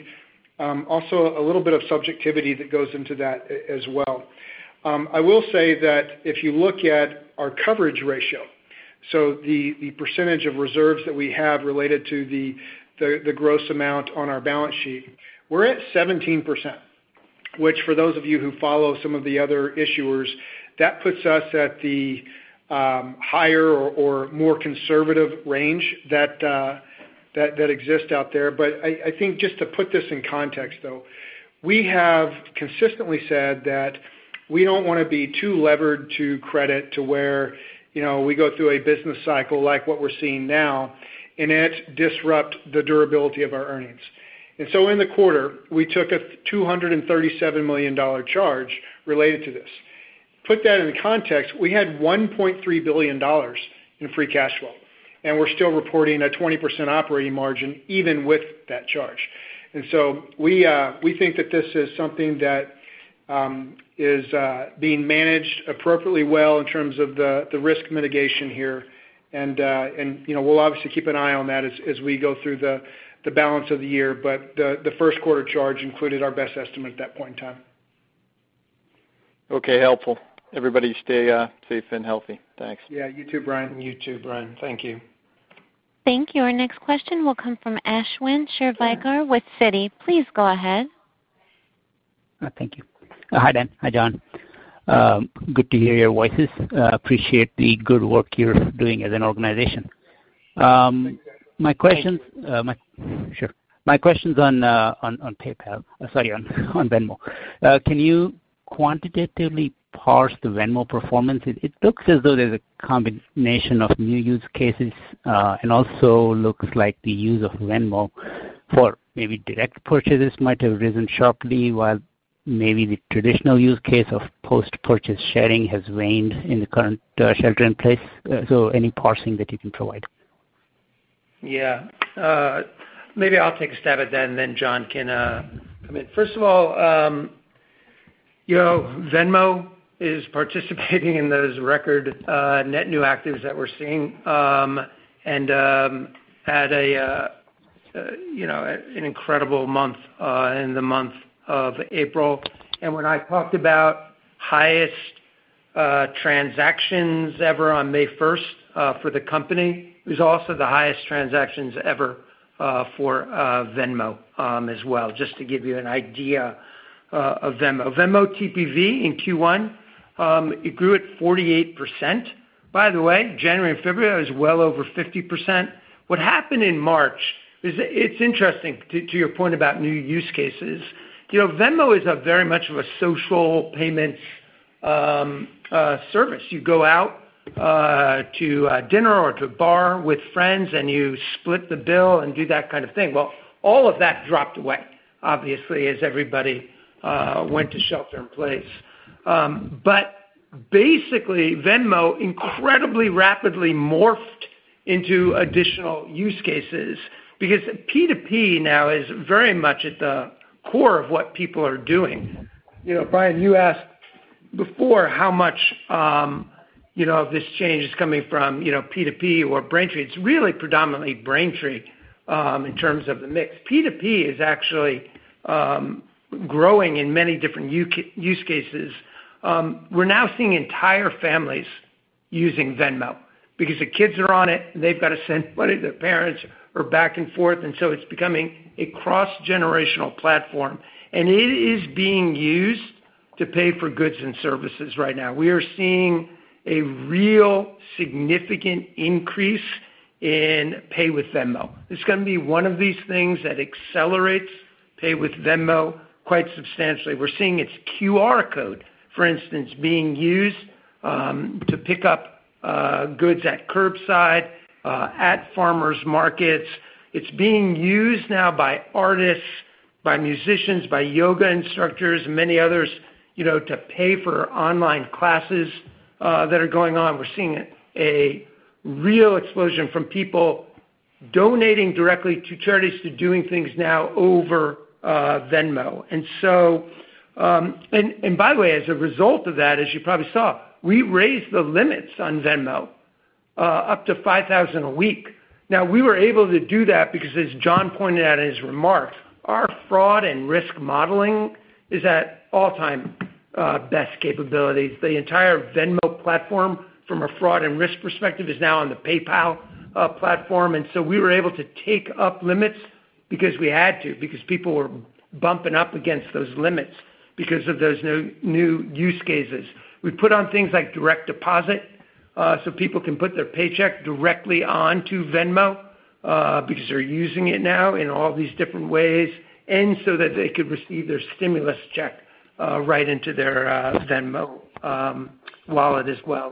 also a little bit of subjectivity that goes into that as well. I will say that if you look at our coverage ratio, so the percentage of reserves that we have related to the gross amount on our balance sheet, we're at 17%, which for those of you who follow some of the other issuers, that puts us at the higher or more conservative range that exists out there. I think just to put this in context, though, we have consistently said that we don't want to be too levered to credit to where we go through a business cycle like what we're seeing now, and it disrupt the durability of our earnings. In the quarter, we took a $237 million charge related to this. Put that into context, we had $1.3 billion in free cash flow, and we're still reporting a 20% operating margin even with that charge. We think that this is something that is being managed appropriately well in terms of the risk mitigation here. We'll obviously keep an eye on that as we go through the balance of the year. The first quarter charge included our best estimate at that point in time. Okay, helpful. Everybody, stay safe and healthy. Thanks. Yeah, you too, Bryan. You too, Bryan. Thank you. Thank you. Our next question will come from Ashwin Shirvaikar with Citi. Please go ahead. Thank you. Hi, Dan. Hi, John. Good to hear your voices. Appreciate the good work you're doing as an organization. Thanks. Sure. My question's on Venmo. Can you quantitatively parse the Venmo performance? It looks as though there's a combination of new use cases, and also looks like the use of Venmo for maybe direct purchases might have risen sharply while maybe the traditional use case of post-purchase sharing has waned in the current shelter in place. Any parsing that you can provide? Yeah. Maybe I'll take a stab at that, and then John can come in. First of all, Venmo is participating in those record net new actives that we're seeing, and had an incredible month in the month of April. When I talked about highest transactions ever on May 1st for the company, it was also the highest transactions ever for Venmo as well, just to give you an idea of Venmo. Venmo TPV in Q1, it grew at 48%. By the way, January and February was well over 50%. What happened in March is, it's interesting to your point about new use cases. Venmo is very much of a social payment service. You go out to dinner or to a bar with friends, and you split the bill and do that kind of thing. Well, all of that dropped away, obviously, as everybody went to shelter in place. Basically, Venmo incredibly rapidly morphed into additional use cases because P2P now is very much at the core of what people are doing. Bryan, you asked before how much of this change is coming from P2P or Braintree. It's really predominantly Braintree in terms of the mix. P2P is actually growing in many different use cases. We're now seeing entire families using Venmo because the kids are on it. They've got to send money to their parents or back and forth. So it's becoming a cross-generational platform. It is being used to pay for goods and services right now. We are seeing a real significant increase in Pay with Venmo. It's going to be one of these things that accelerates Pay with Venmo quite substantially. We're seeing its QR code, for instance, being used to pick up goods at curbside, at farmers markets. It's being used now by artists, by musicians, by yoga instructors, and many others to pay for online classes that are going on. We're seeing a real explosion from people donating directly to charities to doing things now over Venmo. By the way, as a result of that, as you probably saw, we raised the limits on Venmo up to $5,000 a week. We were able to do that because as John pointed out in his remarks, our fraud and risk modeling is at all-time best capabilities. The entire Venmo platform from a fraud and risk perspective is now on the PayPal platform. So we were able to take up limits because we had to, because people were bumping up against those limits because of those new use cases. We put on things like direct deposit, so people can put their paycheck directly onto Venmo because they're using it now in all these different ways, and so that they could receive their stimulus check right into their Venmo wallet as well.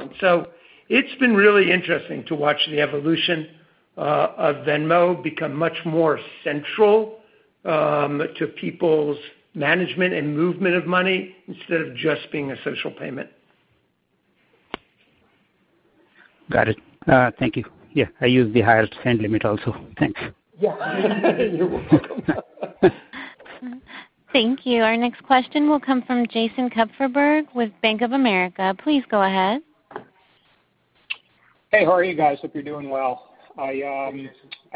It's been really interesting to watch the evolution of Venmo become much more central to people's management and movement of money instead of just being a social payment. Got it. Thank you. Yeah, I use the higher spend limit also. Thanks. Yeah. You're welcome. Thank you. Our next question will come from Jason Kupferberg with Bank of America. Please go ahead. Hey, how are you guys? Hope you're doing well. I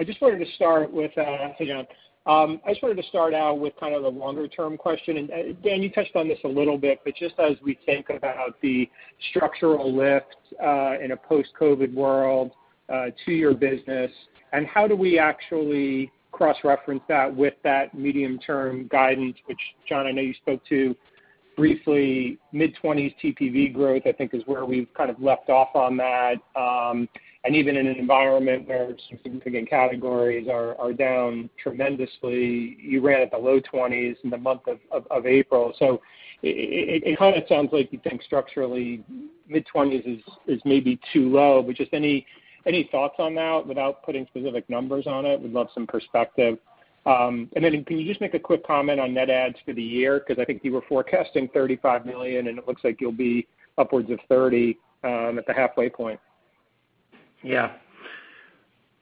just wanted to start out with kind of the longer-term question. Dan, you touched on this a little bit, but just as we think about the structural lift in a post-COVID-19 world to your business, and how do we actually cross-reference that with that medium-term guidance, which, John, I know you spoke to briefly, mid-20s TPV growth, I think is where we've kind of left off on that. Even in an environment where some significant categories are down tremendously. You ran at the low 20s in the month of April. It kind of sounds like you think structurally mid-20s is maybe too low. Just any thoughts on that without putting specific numbers on it? We'd love some perspective. Then can you just make a quick comment on net adds for the year? Because I think you were forecasting $35 million, and it looks like you'll be upwards of $30 million at the halfway point. Yeah.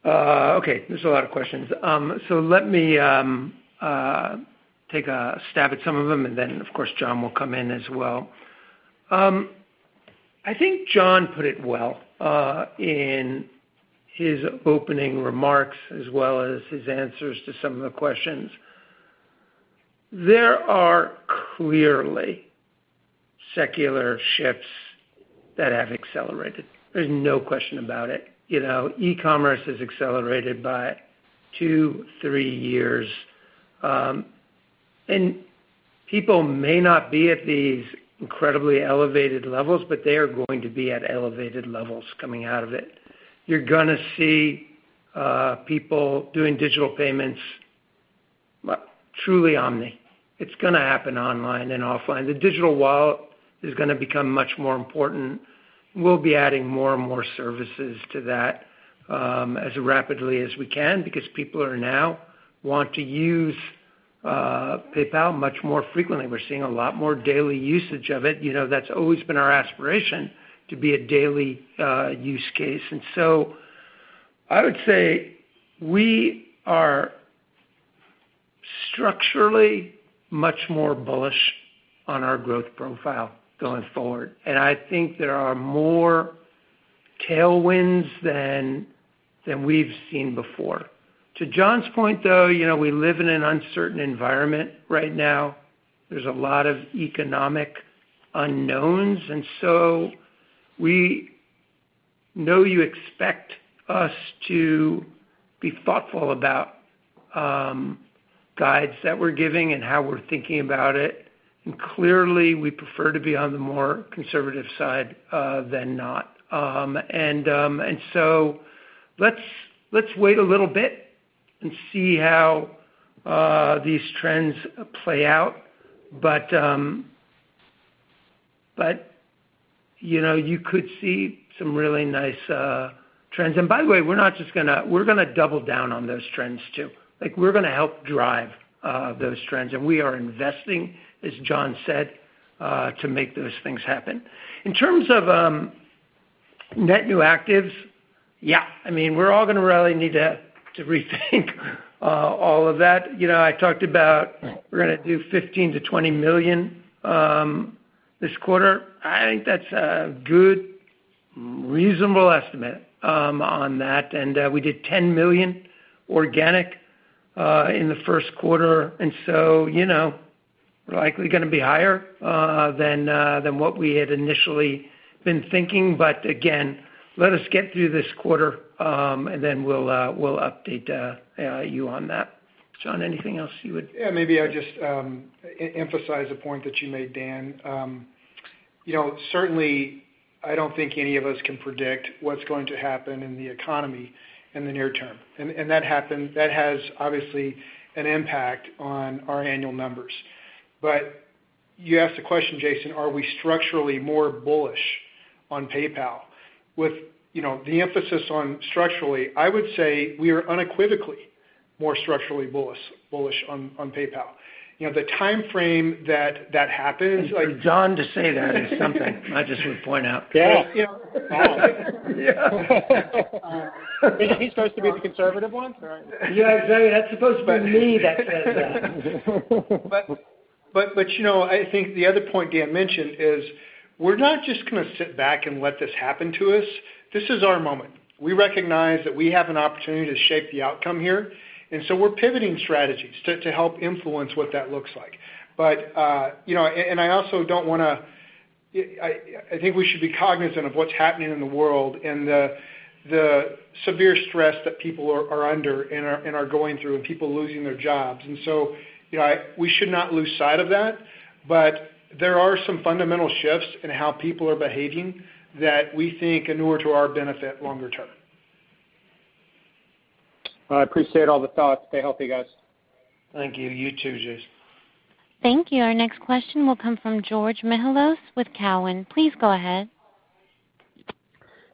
Okay. There's a lot of questions. Let me take a stab at some of them, and then, of course, John will come in as well. I think John put it well in his opening remarks as well as his answers to some of the questions. There are clearly secular shifts that have accelerated. There's no question about it. E-commerce has accelerated by two, three years. People may not be at these incredibly elevated levels, but they are going to be at elevated levels coming out of it. You're going to see people doing digital payments truly omni. It's going to happen online and offline. The digital wallet is going to become much more important. We'll be adding more and more services to that as rapidly as we can because people now want to use PayPal much more frequently. We're seeing a lot more daily usage of it. That's always been our aspiration to be a daily use case. I would say we are structurally much more bullish on our growth profile going forward. I think there are more tailwinds than we've seen before. To John's point, though, we live in an uncertain environment right now. There's a lot of economic unknowns. We know you expect us to be thoughtful about guides that we're giving and how we're thinking about it, clearly we prefer to be on the more conservative side than not. Let's wait a little bit and see how these trends play out. You could see some really nice trends. By the way, we're going to double down on those trends too. We're going to help drive those trends, and we are investing, as John said, to make those things happen. In terms of net new actives, yeah, we're all going to really need to rethink all of that. I talked about we're going to do $15 million-$20 million this quarter. I think that's a good, reasonable estimate on that. We did $10 million organic in the first quarter, and so likely going to be higher than what we had initially been thinking. Again, let us get through this quarter, and then we'll update you on that. John, anything else you would- Yeah, maybe I'd just emphasize a point that you made, Dan. Certainly, I don't think any of us can predict what's going to happen in the economy in the near term. That has, obviously, an impact on our annual numbers. You asked the question, Jason, are we structurally more bullish on PayPal? With the emphasis on structurally, I would say we are unequivocally more structurally bullish on PayPal. The timeframe that that happens. For John to say that is something, I just would point out. Yeah. Isn't he supposed to be the conservative one? Sorry. Yeah, exactly. That's supposed to be me that says that. I think the other point Dan mentioned is we're not just going to sit back and let this happen to us. This is our moment. We recognize that we have an opportunity to shape the outcome here, and so we're pivoting strategies to help influence what that looks like. I think we should be cognizant of what's happening in the world and the severe stress that people are under and are going through, and people losing their jobs. So we should not lose sight of that, but there are some fundamental shifts in how people are behaving that we think inure to our benefit longer term. I appreciate all the thoughts. Stay healthy, guys. Thank you. You too, Jason. Thank you. Our next question will come from George Mihalos with Cowen. Please go ahead.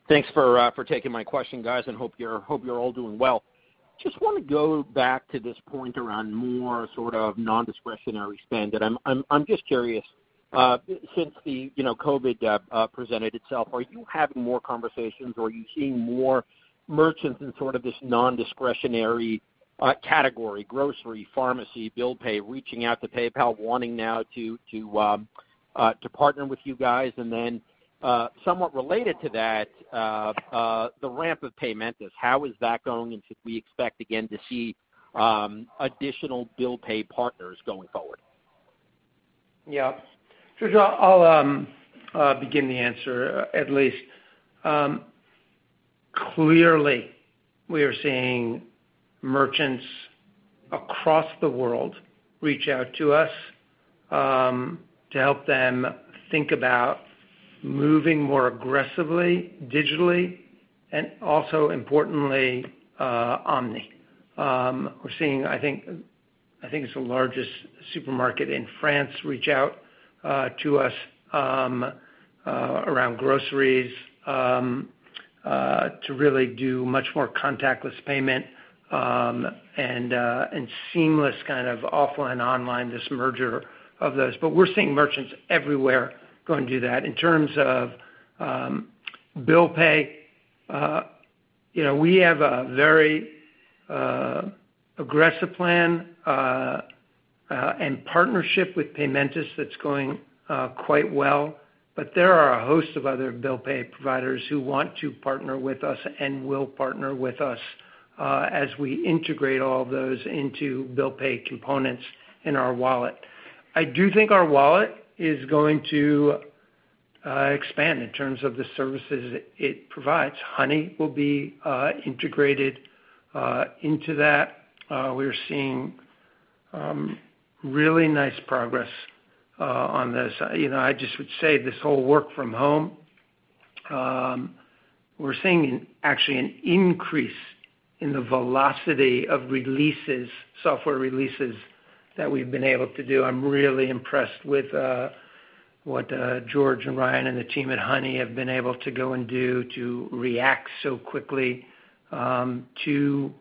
Thanks for taking my question, guys, and hope you're all doing well. Just want to go back to this point around more sort of non-discretionary spend. I'm just curious, since the COVID-19 presented itself, are you having more conversations, or are you seeing more merchants in sort of this non-discretionary category, grocery, pharmacy, bill pay, reaching out to PayPal, wanting now to partner with you guys? Then somewhat related to that, the ramp of Paymentus, how is that going, and should we expect again to see additional bill pay partners going forward? Yeah. George, I'll begin the answer, at least. Clearly, we are seeing merchants across the world reach out to us to help them think about moving more aggressively digitally and also, importantly, omni. We're seeing, I think it's the largest supermarket in France, reach out to us around groceries to really do much more contactless payment and seamless kind of offline, online, this merger of those. We're seeing merchants everywhere going to that. In terms of bill pay, we have a very aggressive plan and partnership with Paymentus that's going quite well. There are a host of other bill pay providers who want to partner with us and will partner with us as we integrate all of those into bill pay components in our wallet. I do think our wallet is going to expand in terms of the services it provides. Honey will be integrated into that. We are seeing really nice progress on this. I just would say this whole work from home, we're seeing actually an increase in the velocity of software releases that we've been able to do. I'm really impressed with what George and Ryan and the team at Honey have been able to go and do to react so quickly to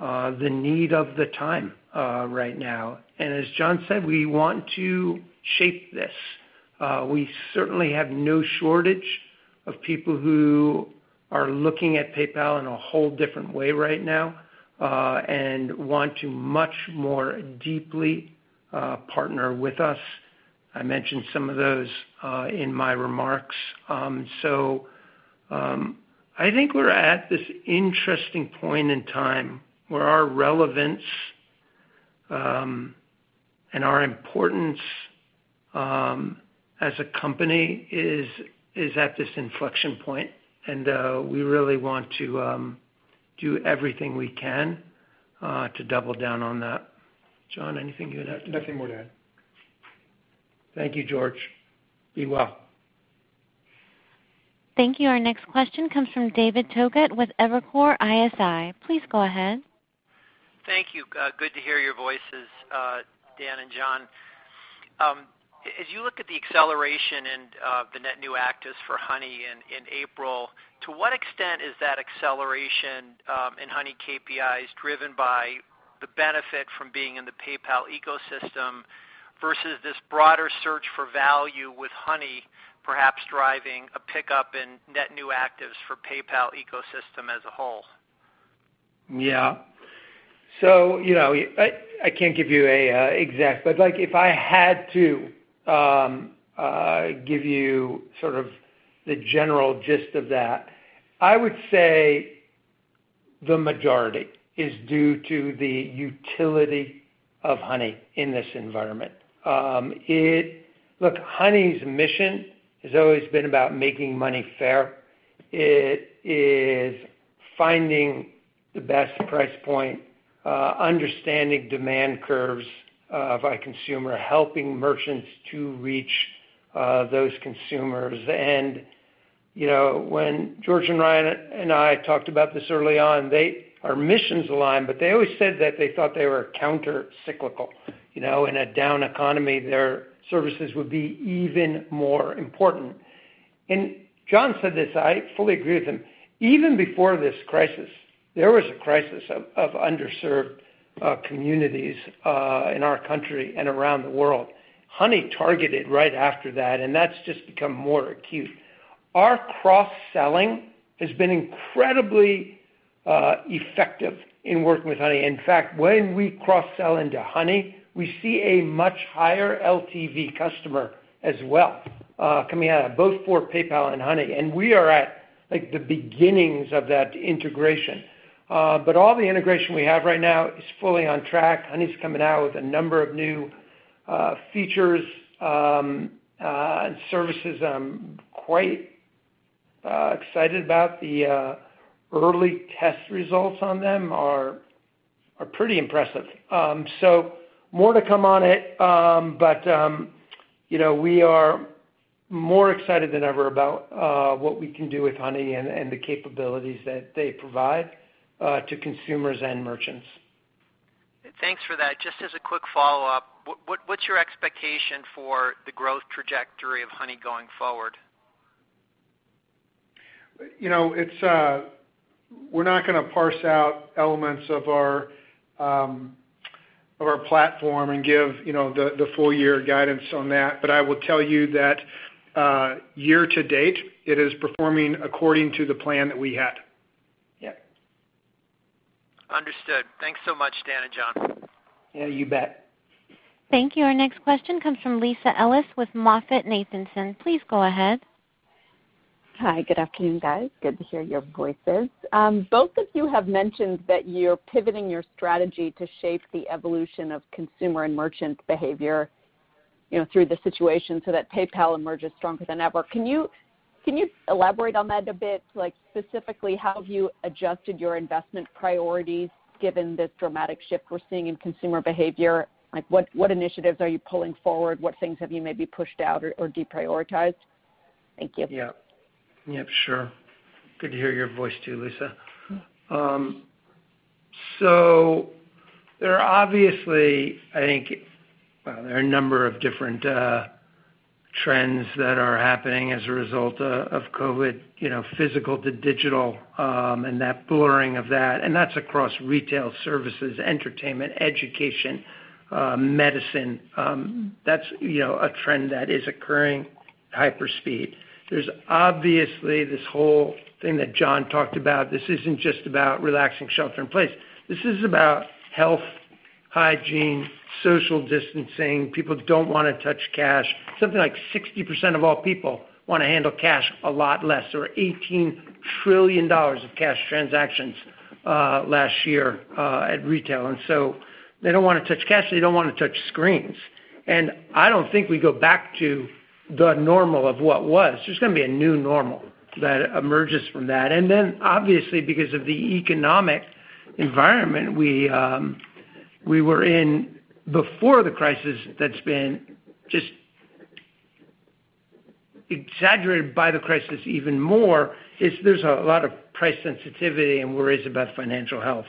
the need of the time right now. As John said, we want to shape this. We certainly have no shortage of people who are looking at PayPal in a whole different way right now and want to much more deeply partner with us. I mentioned some of those in my remarks. I think we're at this interesting point in time where our relevance and our importance as a company is at this inflection point, and we really want to do everything we can to double down on that. John, anything you'd add to that? Nothing more to add. Thank you, George. Be well. Thank you. Our next question comes from David Togut with Evercore ISI. Please go ahead. Thank you. Good to hear your voices, Dan and John. As you look at the acceleration and the net new actives for Honey in April, to what extent is that acceleration in Honey KPIs driven by the benefit from being in the PayPal ecosystem versus this broader search for value with Honey perhaps driving a pickup in net new actives for PayPal ecosystem as a whole? Yeah. I can't give you an exact, but if I had to give you sort of the general gist of that, I would say the majority is due to the utility of Honey in this environment. Look, Honey's mission has always been about making money fair. It is finding the best price point, understanding demand curves of a consumer, helping merchants to reach those consumers. When George and Ryan and I talked about this early on, our missions align, but they always said that they thought they were counter-cyclical. In a down economy, their services would be even more important. John said this, I fully agree with him. Even before this crisis, there was a crisis of underserved communities in our country and around the world. Honey targeted right after that, and that's just become more acute. Our cross-selling has been incredibly effective in working with Honey. In fact, when we cross-sell into Honey, we see a much higher LTV customer as well, coming out of both for PayPal and Honey. We are at the beginnings of that integration. All the integration we have right now is fully on track. Honey's coming out with a number of new features and services I'm quite excited about. The early test results on them are pretty impressive. More to come on it, but we are more excited than ever about what we can do with Honey and the capabilities that they provide to consumers and merchants. Thanks for that. Just as a quick follow-up, what's your expectation for the growth trajectory of Honey going forward? We're not going to parse out elements of our platform and give the full-year guidance on that. I will tell you that year to date, it is performing according to the plan that we had. Yep. Understood. Thanks so much, Dan and John. Yeah, you bet. Thank you. Our next question comes from Lisa Ellis with MoffettNathanson. Please go ahead. Hi. Good afternoon, guys. Good to hear your voices. Both of you have mentioned that you're pivoting your strategy to shape the evolution of consumer and merchant behavior through the situation so that PayPal emerges stronger than ever. Can you elaborate on that a bit? Specifically, how have you adjusted your investment priorities given this dramatic shift we're seeing in consumer behavior? What initiatives are you pulling forward? What things have you maybe pushed out or deprioritized? Thank you. Yeah. Sure. Good to hear your voice too, Lisa. Well, there are a number of different trends that are happening as a result of COVID, physical to digital, and that blurring of that, and that's across retail, services, entertainment, education, medicine. That's a trend that is occurring at hyper speed. There's obviously this whole thing that John talked about. This isn't just about relaxing shelter in place. This is about health, hygiene, social distancing. People don't want to touch cash. Something like 60% of all people want to handle cash a lot less. There were $18 trillion of cash transactions last year at retail. They don't want to touch cash, they don't want to touch screens. I don't think we go back to the normal of what was. There's going to be a new normal that emerges from that. Obviously because of the economic environment we were in before the crisis that's been just exaggerated by the crisis even more, is there's a lot of price sensitivity and worries about financial health.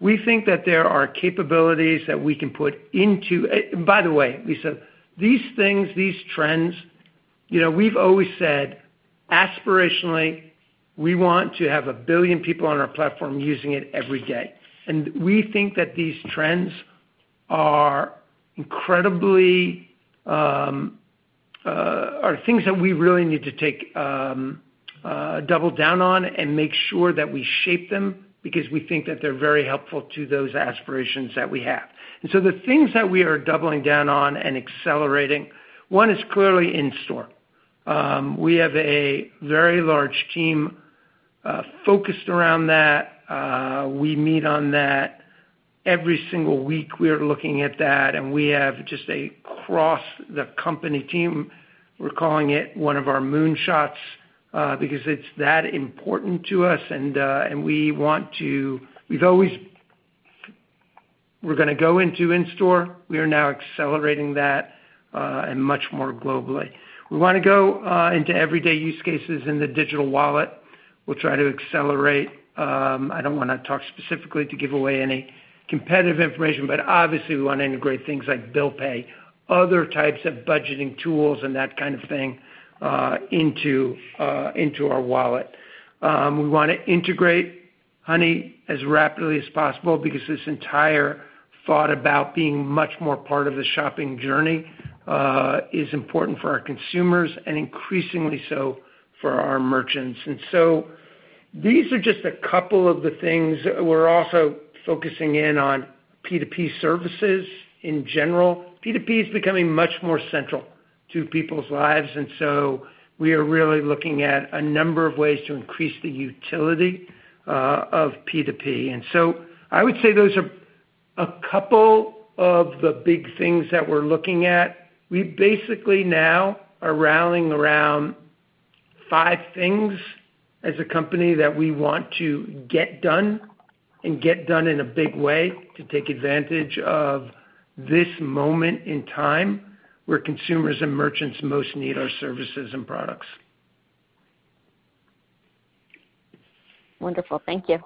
We think that there are capabilities that we can put into. By the way, Lisa, these things, these trends, we've always said aspirationally, we want to have 1 billion people on our platform using it every day. We think that these trends are incredibly things that we really need to double down on and make sure that we shape them because we think that they're very helpful to those aspirations that we have. The things that we are doubling down on and accelerating, one is clearly in-store. We have a very large team focused around that. We meet on that every single week. We are looking at that, and we have just a cross-the-company team. We're calling it one of our moonshots because it's that important to us, and we're going to go into in-store. We are now accelerating that and much more globally. We want to go into everyday use cases in the digital wallet. I don't want to talk specifically to give away any competitive information, but obviously we want to integrate things like bill pay, other types of budgeting tools, and that kind of thing into our wallet. We want to integrate Honey as rapidly as possible because this entire thought about being much more part of the shopping journey is important for our consumers and increasingly so for our merchants. These are just a couple of the things. We're also focusing in on P2P services in general. P2P is becoming much more central to people's lives, and so we are really looking at a number of ways to increase the utility of P2P. I would say those are a couple of the big things that we're looking at. We basically now are rallying around five things as a company that we want to get done and get done in a big way to take advantage of this moment in time where consumers and merchants most need our services and products. Wonderful. Thank you.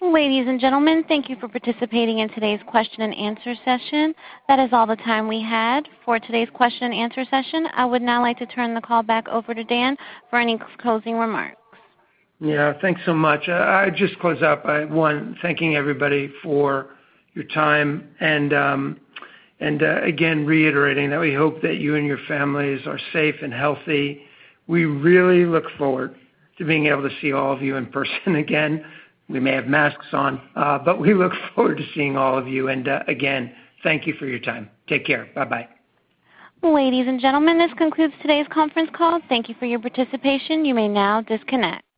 Yeah. Well. Ladies and gentlemen, thank you for participating in today's question and answer session. That is all the time we had for today's question and answer session. I would now like to turn the call back over to Dan for any closing remarks. Yeah. Thanks so much. I just close out by, one, thanking everybody for your time and again reiterating that we hope that you and your families are safe and healthy. We really look forward to being able to see all of you in person again. We may have masks on, but we look forward to seeing all of you. Again, thank you for your time. Take care. Bye-bye. Ladies and gentlemen, this concludes today's conference call. Thank you for your participation. You may now disconnect.